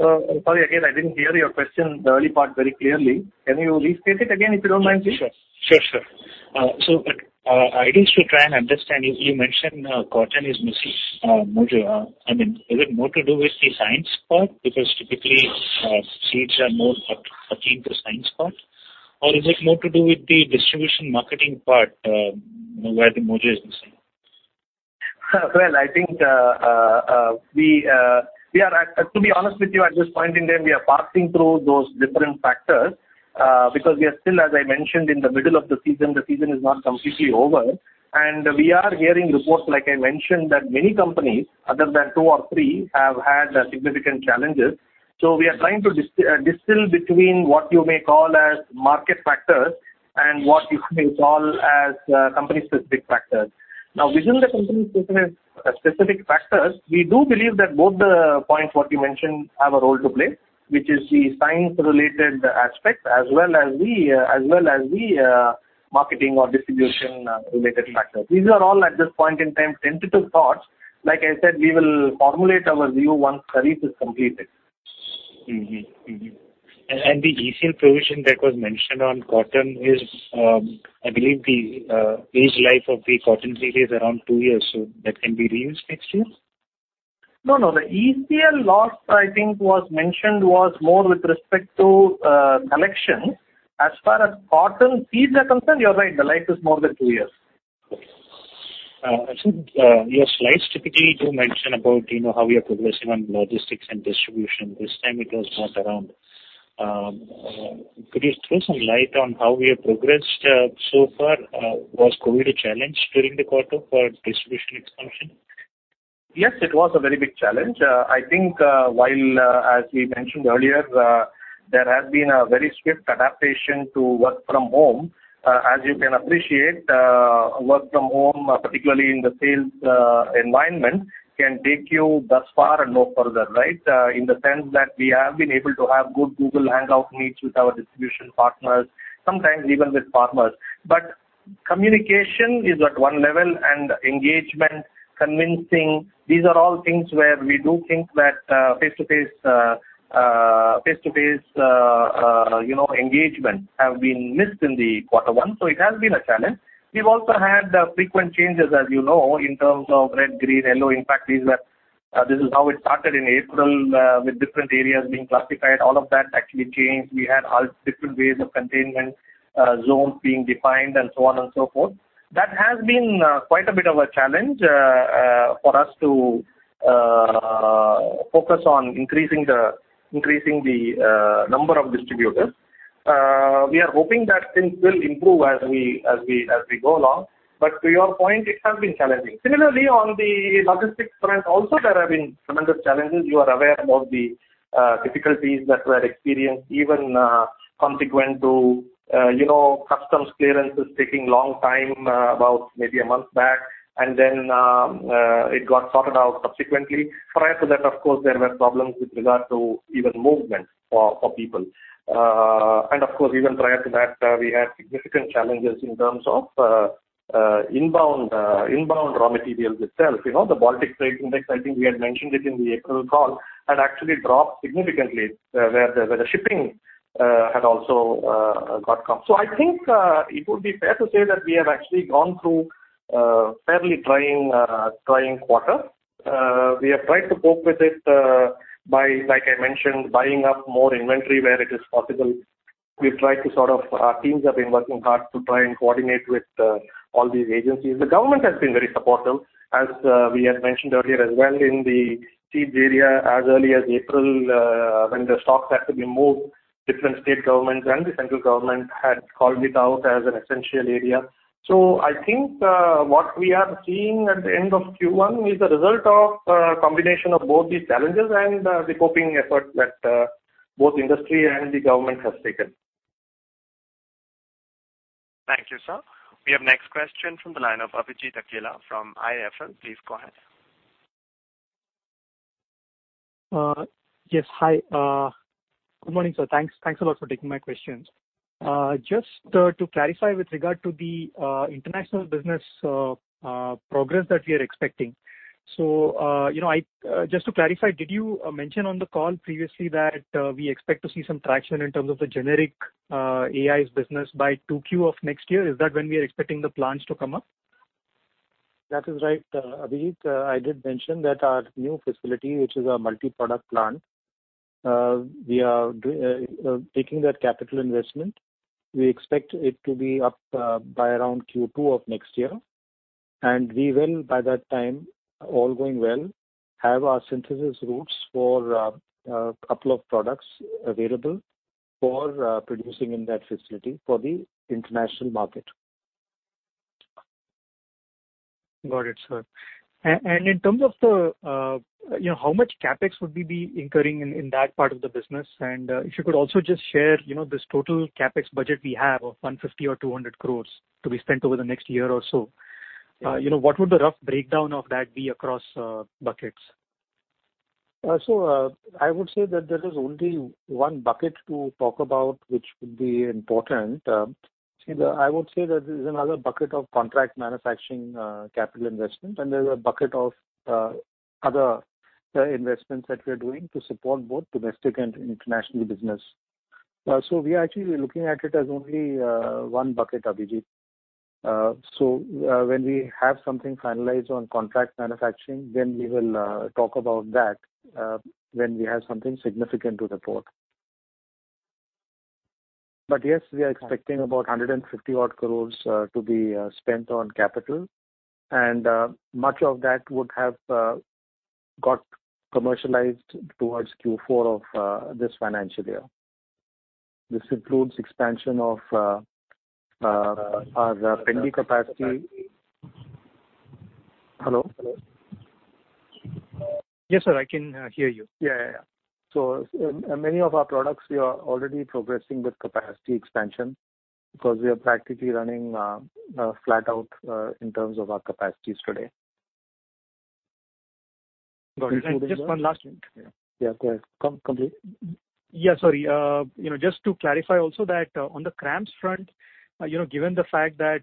Sorry, again, I didn't hear your question, the early part, very clearly. Can you repeat it again, if you don't mind, please? Sure. I guess to try and understand, you mentioned cotton is missing mojo. Is it more to do with the science part? Typically seeds are more akin to science part. Is it more to do with the distribution marketing part where the mojo is missing? Well, to be honest with you, at this point in time, we are passing through those different factors. We are still, as I mentioned, in the middle of the season. The season is not completely over. We are hearing reports, like I mentioned, that many companies, other than two or three, have had significant challenges. We are trying to distill between what you may call as market factors and what you may call as company-specific factors. Now, within the company-specific factors, we do believe that both the points what you mentioned have a role to play, which is the science-related aspects, as well as the marketing or distribution-related factors. These are all, at this point in time, tentative thoughts. Like I said, we will formulate our view once analysis is completed. Mm-hmm. The ECL provision that was mentioned on cotton is, I believe the age life of the cotton seed is around two years, so that can be reused next year? No, no. The ECL loss, I think was mentioned was more with respect to collection. As far as cotton seeds are concerned, you're right, the life is more than two years. Okay. I think your slides typically do mention about how you're progressing on logistics and distribution. This time it was not around. Could you throw some light on how we have progressed so far? Was COVID a challenge during the quarter for distribution expansion? Yes, it was a very big challenge. I think while, as we mentioned earlier, there has been a very swift adaptation to work from home. As you can appreciate, work from home, particularly in the sales environment, can take you thus far and no further, right? In the sense that we have been able to have good Google Hangout meetings with our distribution partners, sometimes even with farmers. Communication is at one level and engagement, convincing, these are all things where we do think that face-to-face engagement have been missed in the Q1. It has been a challenge. We've also had frequent changes, as you know, in terms of red, green, yellow. In fact, this is how it started in April with different areas being classified. All of that actually changed. We had all different ways of containment zones being defined, and so on and so forth. That has been quite a bit of a challenge for us to focus on increasing the number of distributors. We are hoping that things will improve as we go along. To your point, it has been challenging. Similarly, on the logistics front also there have been tremendous challenges. You are aware of the difficulties that were experienced even consequent to customs clearances taking long time about maybe a month back, and then it got sorted out subsequently. Prior to that, of course, there were problems with regard to even movement for people. Of course, even prior to that, we had significant challenges in terms of inbound raw materials itself. The Baltic Dry Index, I think we had mentioned it in the April call, had actually dropped significantly where the shipping had also got caught. I think it would be fair to say that we have actually gone through a fairly trying quarter. We have tried to cope with it by, like I mentioned, buying up more inventory where it is possible. Our teams have been working hard to try and coordinate with all these agencies. The government has been very supportive. As we had mentioned earlier as well in the seeds area as early as April when the stocks had to be moved, different state governments and the central government had called it out as an essential area. I think what we are seeing at the end of Q1 is a result of a combination of both these challenges and the coping effort that both industry and the government have taken. Thank you, sir. We have next question from the line of Abhijeet Akella from IIFL. Please go ahead. Yes. Hi. Good morning, sir. Thanks a lot for taking my questions. Just to clarify with regard to the international business progress that we are expecting. Just to clarify, did you mention on the call previously that we expect to see some traction in terms of the generic AIs business by 2Q of next year? Is that when we are expecting the plants to come up? That is right, Abhijeet. I did mention that our new facility, which is a multi-product plant, we are taking that capital investment. We expect it to be up by around Q2 of next year. We will, by that time, all going well, have our synthesis routes for a couple of products available for producing in that facility for the international market. Got it, sir. In terms of how much CapEx would we be incurring in that part of the business? If you could also just share this total CapEx budget we have of 150 or 200 crores to be spent over the next year or so. What would the rough breakdown of that be across buckets? I would say that there is only one bucket to talk about which would be important. I would say that there's another bucket of contract manufacturing capital investment, and there's a bucket of other investments that we're doing to support both domestic and international business. We actually looking at it as only one bucket, Abhijeet. When we have something finalized on contract manufacturing, we will talk about that when we have something significant to report. Yes, we are expecting about 150 odd crores to be spent on capital, and much of that would have got commercialized towards Q4 of this financial year. This includes expansion of our Pendi capacity. Hello? Yes, sir. I can hear you. Yeah. Many of our products we are already progressing with capacity expansion because we are practically running flat out in terms of our capacities today. Got it. Just one last link. Yeah, go ahead. Complete. Yeah, sorry. Just to clarify also that on the CRAMS front, given the fact that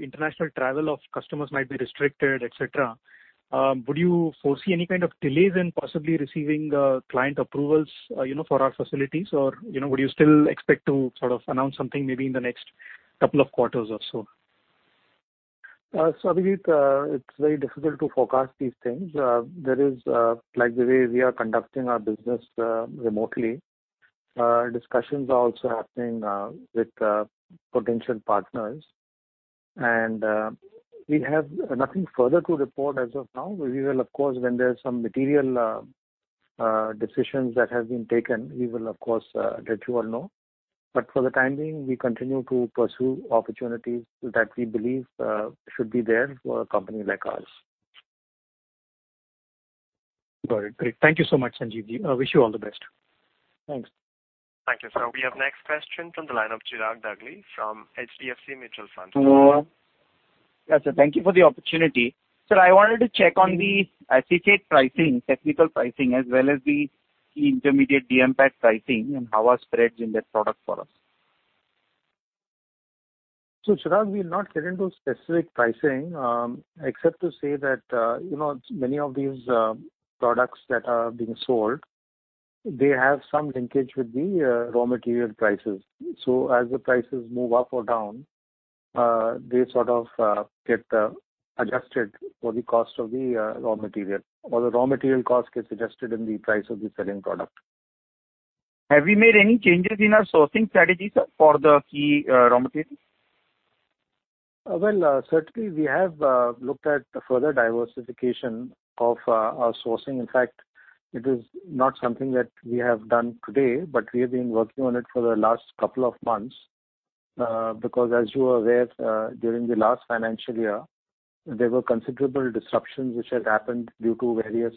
international travel of customers might be restricted, et cetera, would you foresee any kind of delays in possibly receiving client approvals for our facilities? Or would you still expect to sort of announce something maybe in the next couple of quarters or so? Abhijit, it's very difficult to forecast these things. There is, like the way we are conducting our business remotely, discussions are also happening with potential partners. We have nothing further to report as of now. We will, of course, when there's some material decisions that have been taken, we will, of course, let you all know. For the time being, we continue to pursue opportunities that we believe should be there for a company like ours. Got it. Great. Thank you so much, Sanjiv Ji. I wish you all the best. Thanks. Thank you, sir. We have next question from the line of Chirag Dagli from HDFC Mutual Fund. Yes, sir. Thank you for the opportunity. Sir, I wanted to check on the acephate pricing, technical pricing, as well as the intermediate DMPAT pricing and how are spreads in that product for us. Chirag, we'll not get into specific pricing, except to say that many of these products that are being sold, they have some linkage with the raw material prices. As the prices move up or down, they sort of get adjusted for the cost of the raw material, or the raw material cost gets adjusted in the price of the selling product. Have we made any changes in our sourcing strategy, sir, for the key raw materials? Certainly, we have looked at further diversification of our sourcing. In fact, it is not something that we have done today, but we have been working on it for the last couple of months. As you are aware, during the last financial year, there were considerable disruptions which had happened due to various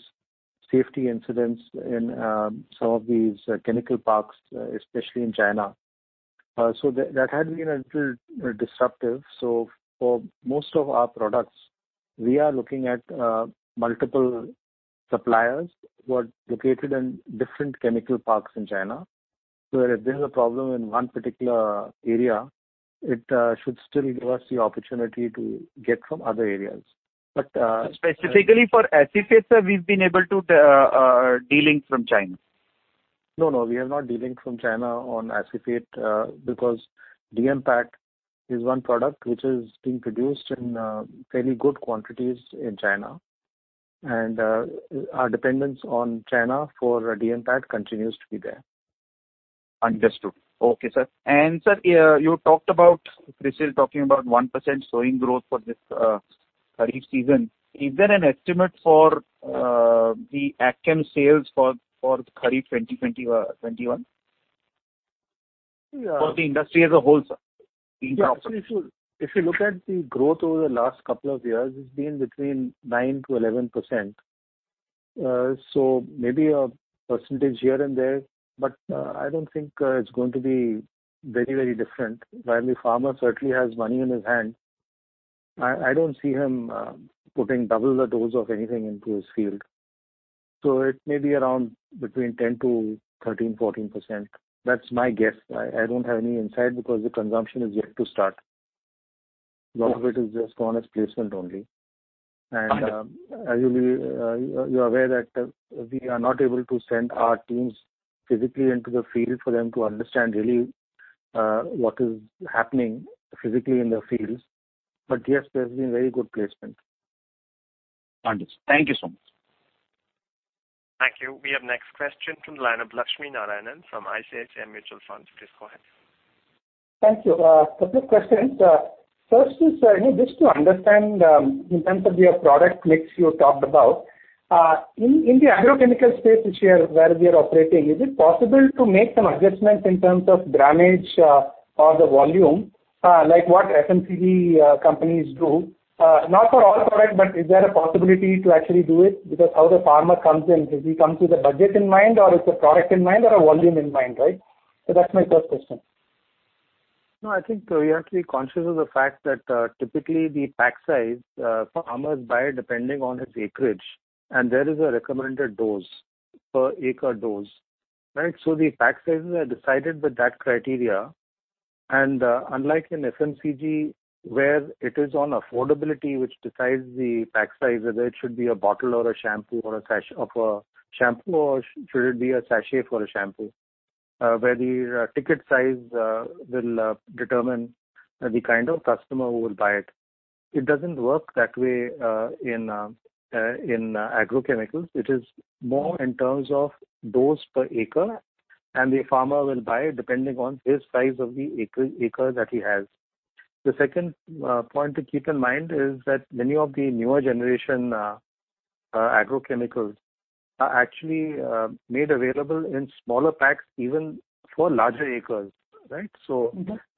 safety incidents in some of these chemical parks, especially in China. That had been a little disruptive. For most of our products, we are looking at multiple suppliers who are located in different chemical parks in China, so that if there's a problem in one particular area, it should still give us the opportunity to get from other areas. Specifically for acephate, sir, we've been able to de-link from China. No, no, we have not de-linked from China on acephate because DMPAT is one product which is being produced in fairly good quantities in China, our dependence on China for DMPAT continues to be there. Understood. Okay, sir. Sir, you talked about, CRISIL's talking about 1% sowing growth for this kharif season. Is there an estimate for the Agchem sales for kharif 2020 or 2021? Yeah. For the industry as a whole, sir. Yeah. If you look at the growth over the last couple of years, it's been between 9%-11%. Maybe a percentage here and there, but I don't think it's going to be very, very different. While the farmer certainly has money in his hand, I don't see him putting double the dose of anything into his field. It may be around between 10%-14%. That's my guess. I don't have any insight because the consumption is yet to start. A lot of it is just on as placement only. Understood. As you're aware that we are not able to send our teams physically into the field for them to understand really what is happening physically in the fields. Yes, there's been very good placement. Understood. Thank you so much. Thank you. We have next question from the line of Lakshmi Narayanan from ICICI Mutual Funds. Please go ahead. Thank you. A couple of questions. First is, just to understand in terms of your product mix you talked about. In the agrochemical space where we are operating, is it possible to make some adjustments in terms of grammage or the volume, like what FMCG companies do? Not for all product, but is there a possibility to actually do it? Because how the farmer comes in, does he come to the budget in mind, or it's a product in mind or a volume in mind, right? That's my first question. No, I think we have to be conscious of the fact that typically the pack size farmers buy depending on his acreage, and there is a recommended dose, per acre dose. The pack sizes are decided with that criteria. Unlike in FMCG where it is on affordability which decides the pack size, whether it should be a bottle of a shampoo or should it be a sachet for a shampoo, where the ticket size will determine the kind of customer who will buy it. It doesn't work that way in agrochemicals. It is more in terms of dose per acre and the farmer will buy depending on his size of the acre that he has. The second point to keep in mind is that many of the newer generation agrochemicals are actually made available in smaller packs even for larger acres, right?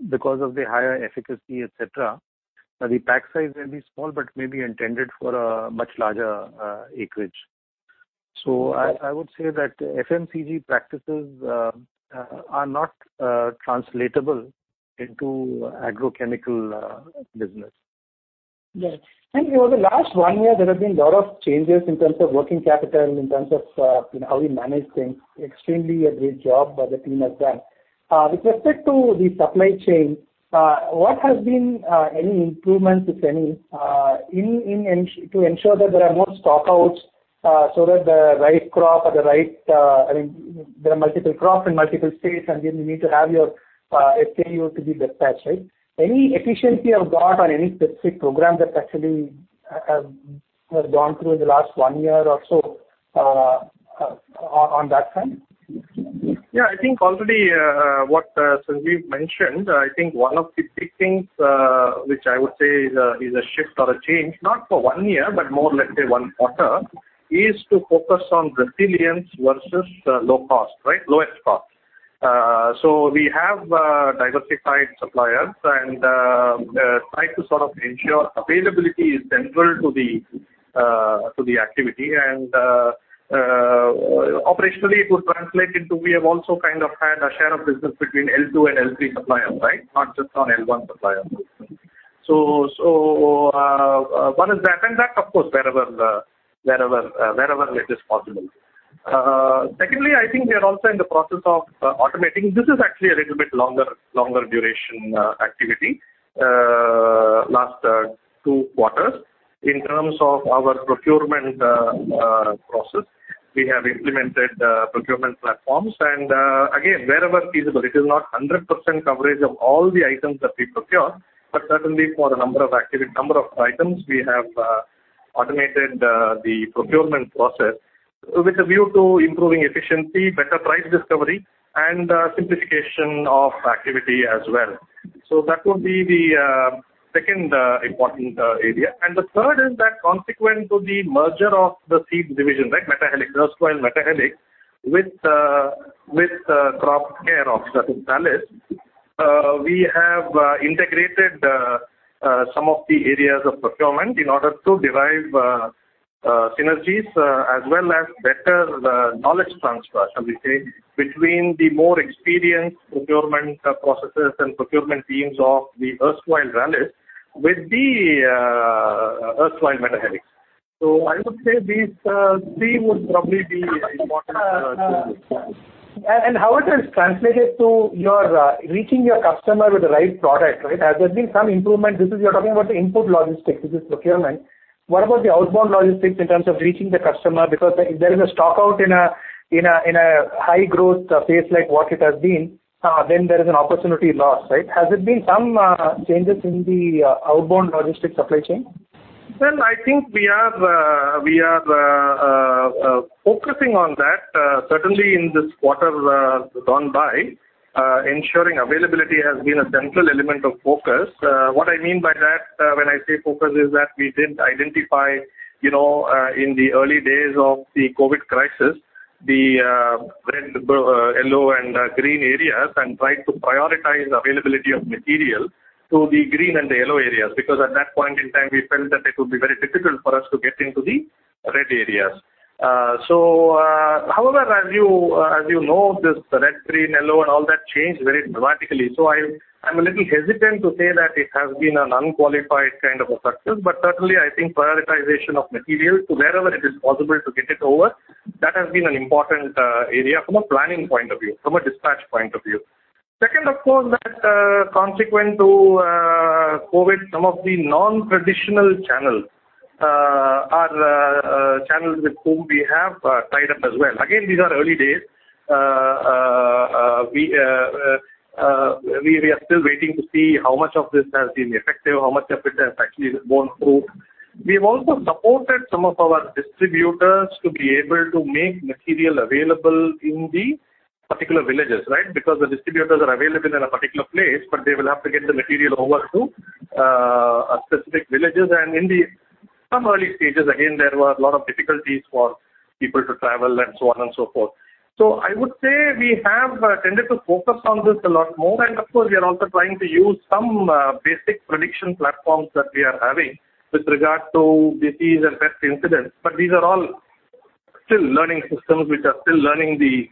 Because of the higher efficacy, et cetera, the pack size may be small but may be intended for a much larger acreage. I would say that FMCG practices are not translatable into agrochemical business. Yes. Thank you. Over the last one year, there have been a lot of changes in terms of working capital, in terms of how we manage things. Extremely a great job the team has done. With respect to the supply chain, what has been any improvements, if any, to ensure that there are fewer stockouts? There are multiple crops in multiple states, then you need to have your SKU to be dispatched, right? Any efficiency you have got on any specific program that actually has gone through in the last one year or so on that front? Yeah, I think already what Sanjiv mentioned, one of the big things, which I would say is a shift or a change, not for one year, but more, let's say one quarter, is to focus on resilience versus low cost, lowest cost. We have diversified suppliers and try to sort of ensure availability is central to the activity and operationally it would translate into, we have also kind of had a share of business between L2 and L3 suppliers, right? Not just on L1 suppliers. One is that, and that of course, wherever it is possible. Secondly, I think we are also in the process of automating. This is actually a little bit longer duration activity. Last two quarters in terms of our procurement process, we have implemented procurement platforms and again, wherever feasible, it is not 100% coverage of all the items that we procure, but certainly for a number of items, we have automated the procurement process. With a view to improving efficiency, better price discovery, and simplification of activity as well. That would be the second important area. The third is that consequent to the merger of the seed division, Erstwhile Metahelix with CropCare of Syngenta, we have integrated some of the areas of procurement in order to derive synergies as well as better knowledge transfer, shall we say, between the more experienced procurement processes and procurement teams of the Erstwhile Rallis with the Erstwhile Metahelix. I would say these three would probably be important. How it has translated to reaching your customer with the right product, right? Has there been some improvement? You're talking about the input logistics, this is procurement. What about the outbound logistics in terms of reaching the customer? Because if there is a stock out in a high growth phase like what it has been, then there is an opportunity lost, right? Has it been some changes in the outbound logistics supply chain? Well, I think we are focusing on that. Certainly in this quarter gone by, ensuring availability has been a central element of focus. What I mean by that when I say focus is that we did identify in the early days of the COVID crisis, the red, yellow, and green areas and tried to prioritize availability of material to the green and the yellow areas, because at that point in time, we felt that it would be very difficult for us to get into the red areas. However, as you know, this red, green, yellow and all that changed very dramatically. I'm a little hesitant to say that it has been an unqualified kind of a success, but certainly I think prioritization of material to wherever it is possible to get it over, that has been an important area from a planning point of view, from a dispatch point of view. Second, of course, that consequent to COVID, some of the non-traditional channels are channels with whom we have tied up as well. Again, these are early days. We are still waiting to see how much of this has been effective, how much of it has actually borne fruit. We have also supported some of our distributors to be able to make material available in the particular villages, right? Because the distributors are available in a particular place, but they will have to get the material over to specific villages. In some early stages, again, there were a lot of difficulties for people to travel and so on and so forth. I would say we have tended to focus on this a lot more. Of course, we are also trying to use some basic prediction platforms that we are having with regard to disease and pest incidents. These are all still learning systems, which are still learning the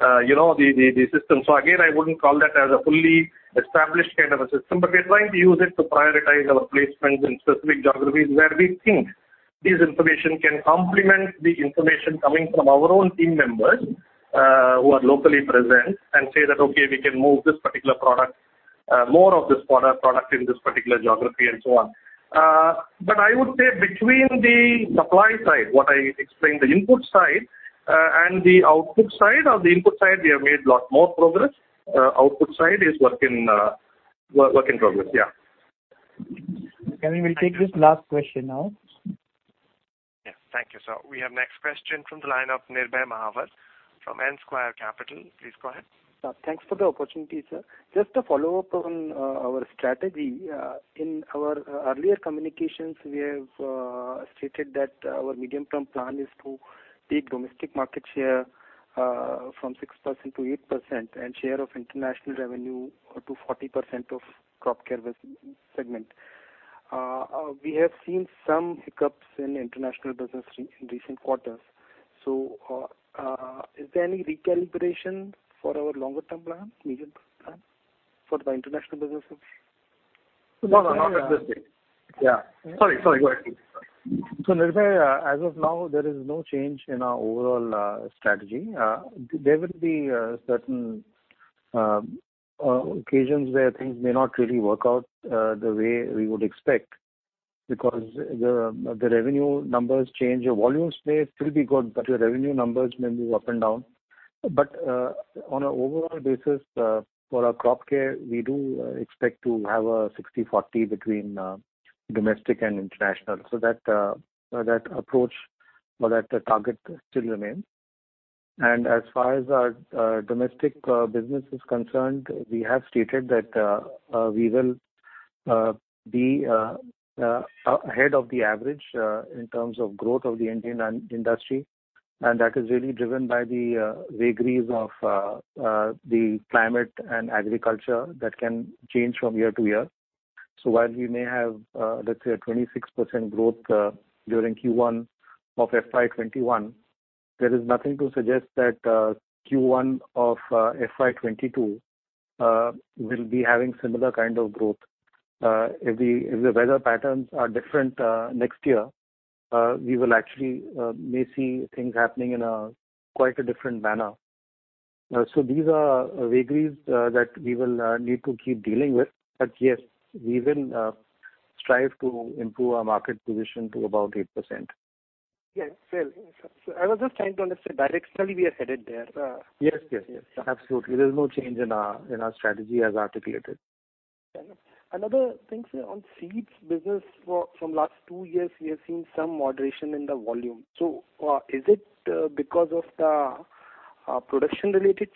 system. Again, I wouldn't call that as a fully established kind of a system, but we are trying to use it to prioritize our placements in specific geographies where we think this information can complement the information coming from our own team members who are locally present and say that, okay, we can move this particular product, more of this product in this particular geography and so on. I would say between the supply side, what I explained, the input side and the output side. On the input side, we have made lot more progress. Output side is work in progress. Yeah. Okay. We will take this last question now. Yeah. Thank you, sir. We have next question from the line of Nirbhay Mahavar from N Square Capital. Please go ahead. Thanks for the opportunity, sir. Just a follow-up on our strategy. In our earlier communications, we have stated that our medium-term plan is to take domestic market share from 6% to 8% and share of international revenue to 40% of crop care segment. We have seen some hiccups in international business in recent quarters. Is there any recalibration for our longer-term plans, medium-term plans for the international businesses? No, not at this stage. Yeah. Sorry, go ahead please. Nirbhay, as of now, there is no change in our overall strategy. There will be certain occasions where things may not really work out the way we would expect, because the revenue numbers change. Your volumes may still be good, your revenue numbers may move up and down. On an overall basis for our crop care, we do expect to have a 60/40 between domestic and international. That approach or that target still remains. As far as our domestic business is concerned, we have stated that we will be ahead of the average in terms of growth of the Indian industry. That is really driven by the vagaries of the climate and agriculture that can change from year to year. While we may have, let's say, a 26% growth during Q1 of FY 2021, there is nothing to suggest that Q1 of FY 2022 will be having similar kind of growth. If the weather patterns are different next year, we will actually may see things happening in a quite a different manner. These are vagaries that we will need to keep dealing with. Yes, we will strive to improve our market position to about 8%. Yes. Well, I was just trying to understand directionally we are headed there. Yes. Absolutely. There's no change in our strategy as articulated. Another thing, sir, on seeds business from last two years, we have seen some moderation in the volume. Is it because of the production-related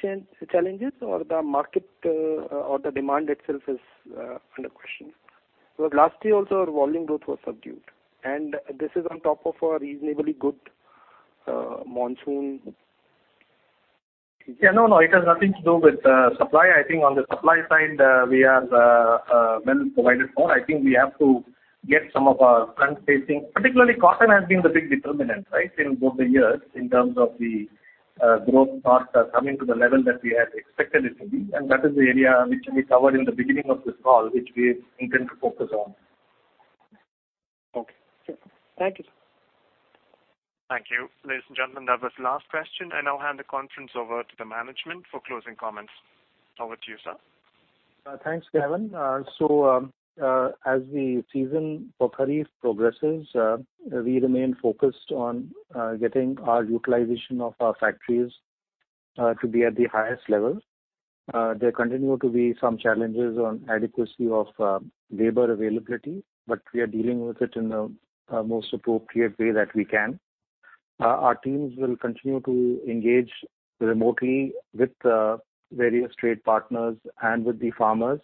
challenges or the market or the demand itself is under question? Last year also, our volume growth was subdued, and this is on top of a reasonably good monsoon. Yeah, no, it has nothing to do with supply. I think on the supply side, we are well provided for. I think we have to get some of our front facing, particularly cotton has been the big determinant, right, in both the years in terms of the growth part coming to the level that we had expected it to be, and that is the area which we covered in the beginning of this call, which we intend to focus on. Okay. Thank you, sir. Thank you. Ladies and gentlemen, that was last question. I now hand the conference over to the management for closing comments. Over to you, sir. Thanks, Gavin. As the season for kharif progresses, we remain focused on getting our utilization of our factories to be at the highest level. There continue to be some challenges on adequacy of labor availability, but we are dealing with it in the most appropriate way that we can. Our teams will continue to engage remotely with various trade partners and with the farmers.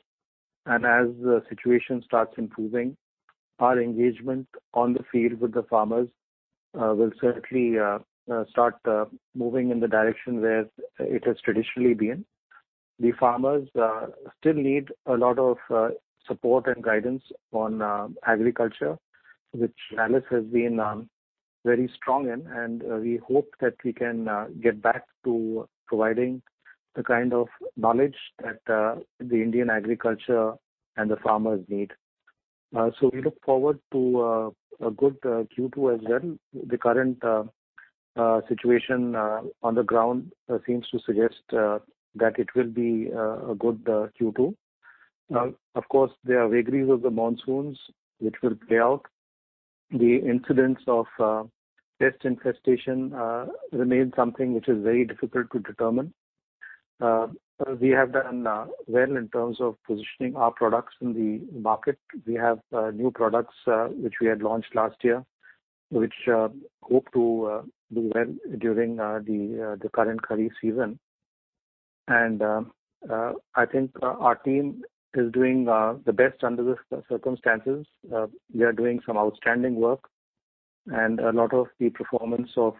As the situation starts improving, our engagement on the field with the farmers will certainly start moving in the direction where it has traditionally been. The farmers still need a lot of support and guidance on agriculture, which Rallis has been very strong in, and we hope that we can get back to providing the kind of knowledge that the Indian agriculture and the farmers need. We look forward to a good Q2 as well. The current situation on the ground seems to suggest that it will be a good Q2. Of course, there are vagaries of the monsoons which will play out. The incidents of pest infestation remain something which is very difficult to determine. We have done well in terms of positioning our products in the market. We have new products which we had launched last year, which hope to do well during the current kharif season. I think our team is doing the best under the circumstances. They are doing some outstanding work. A lot of the performance of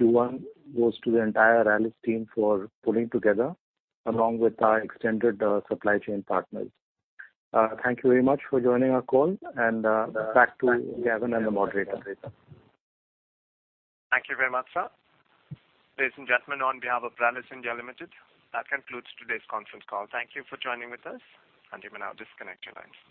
Q1 goes to the entire Rallis team for pulling together, along with our extended supply chain partners. Thank you very much for joining our call, and back to Gavin and the moderator. Thank you very much, sir. Ladies and gentlemen, on behalf of Rallis India Limited, that concludes today's conference call. Thank you for joining with us, and you may now disconnect your lines.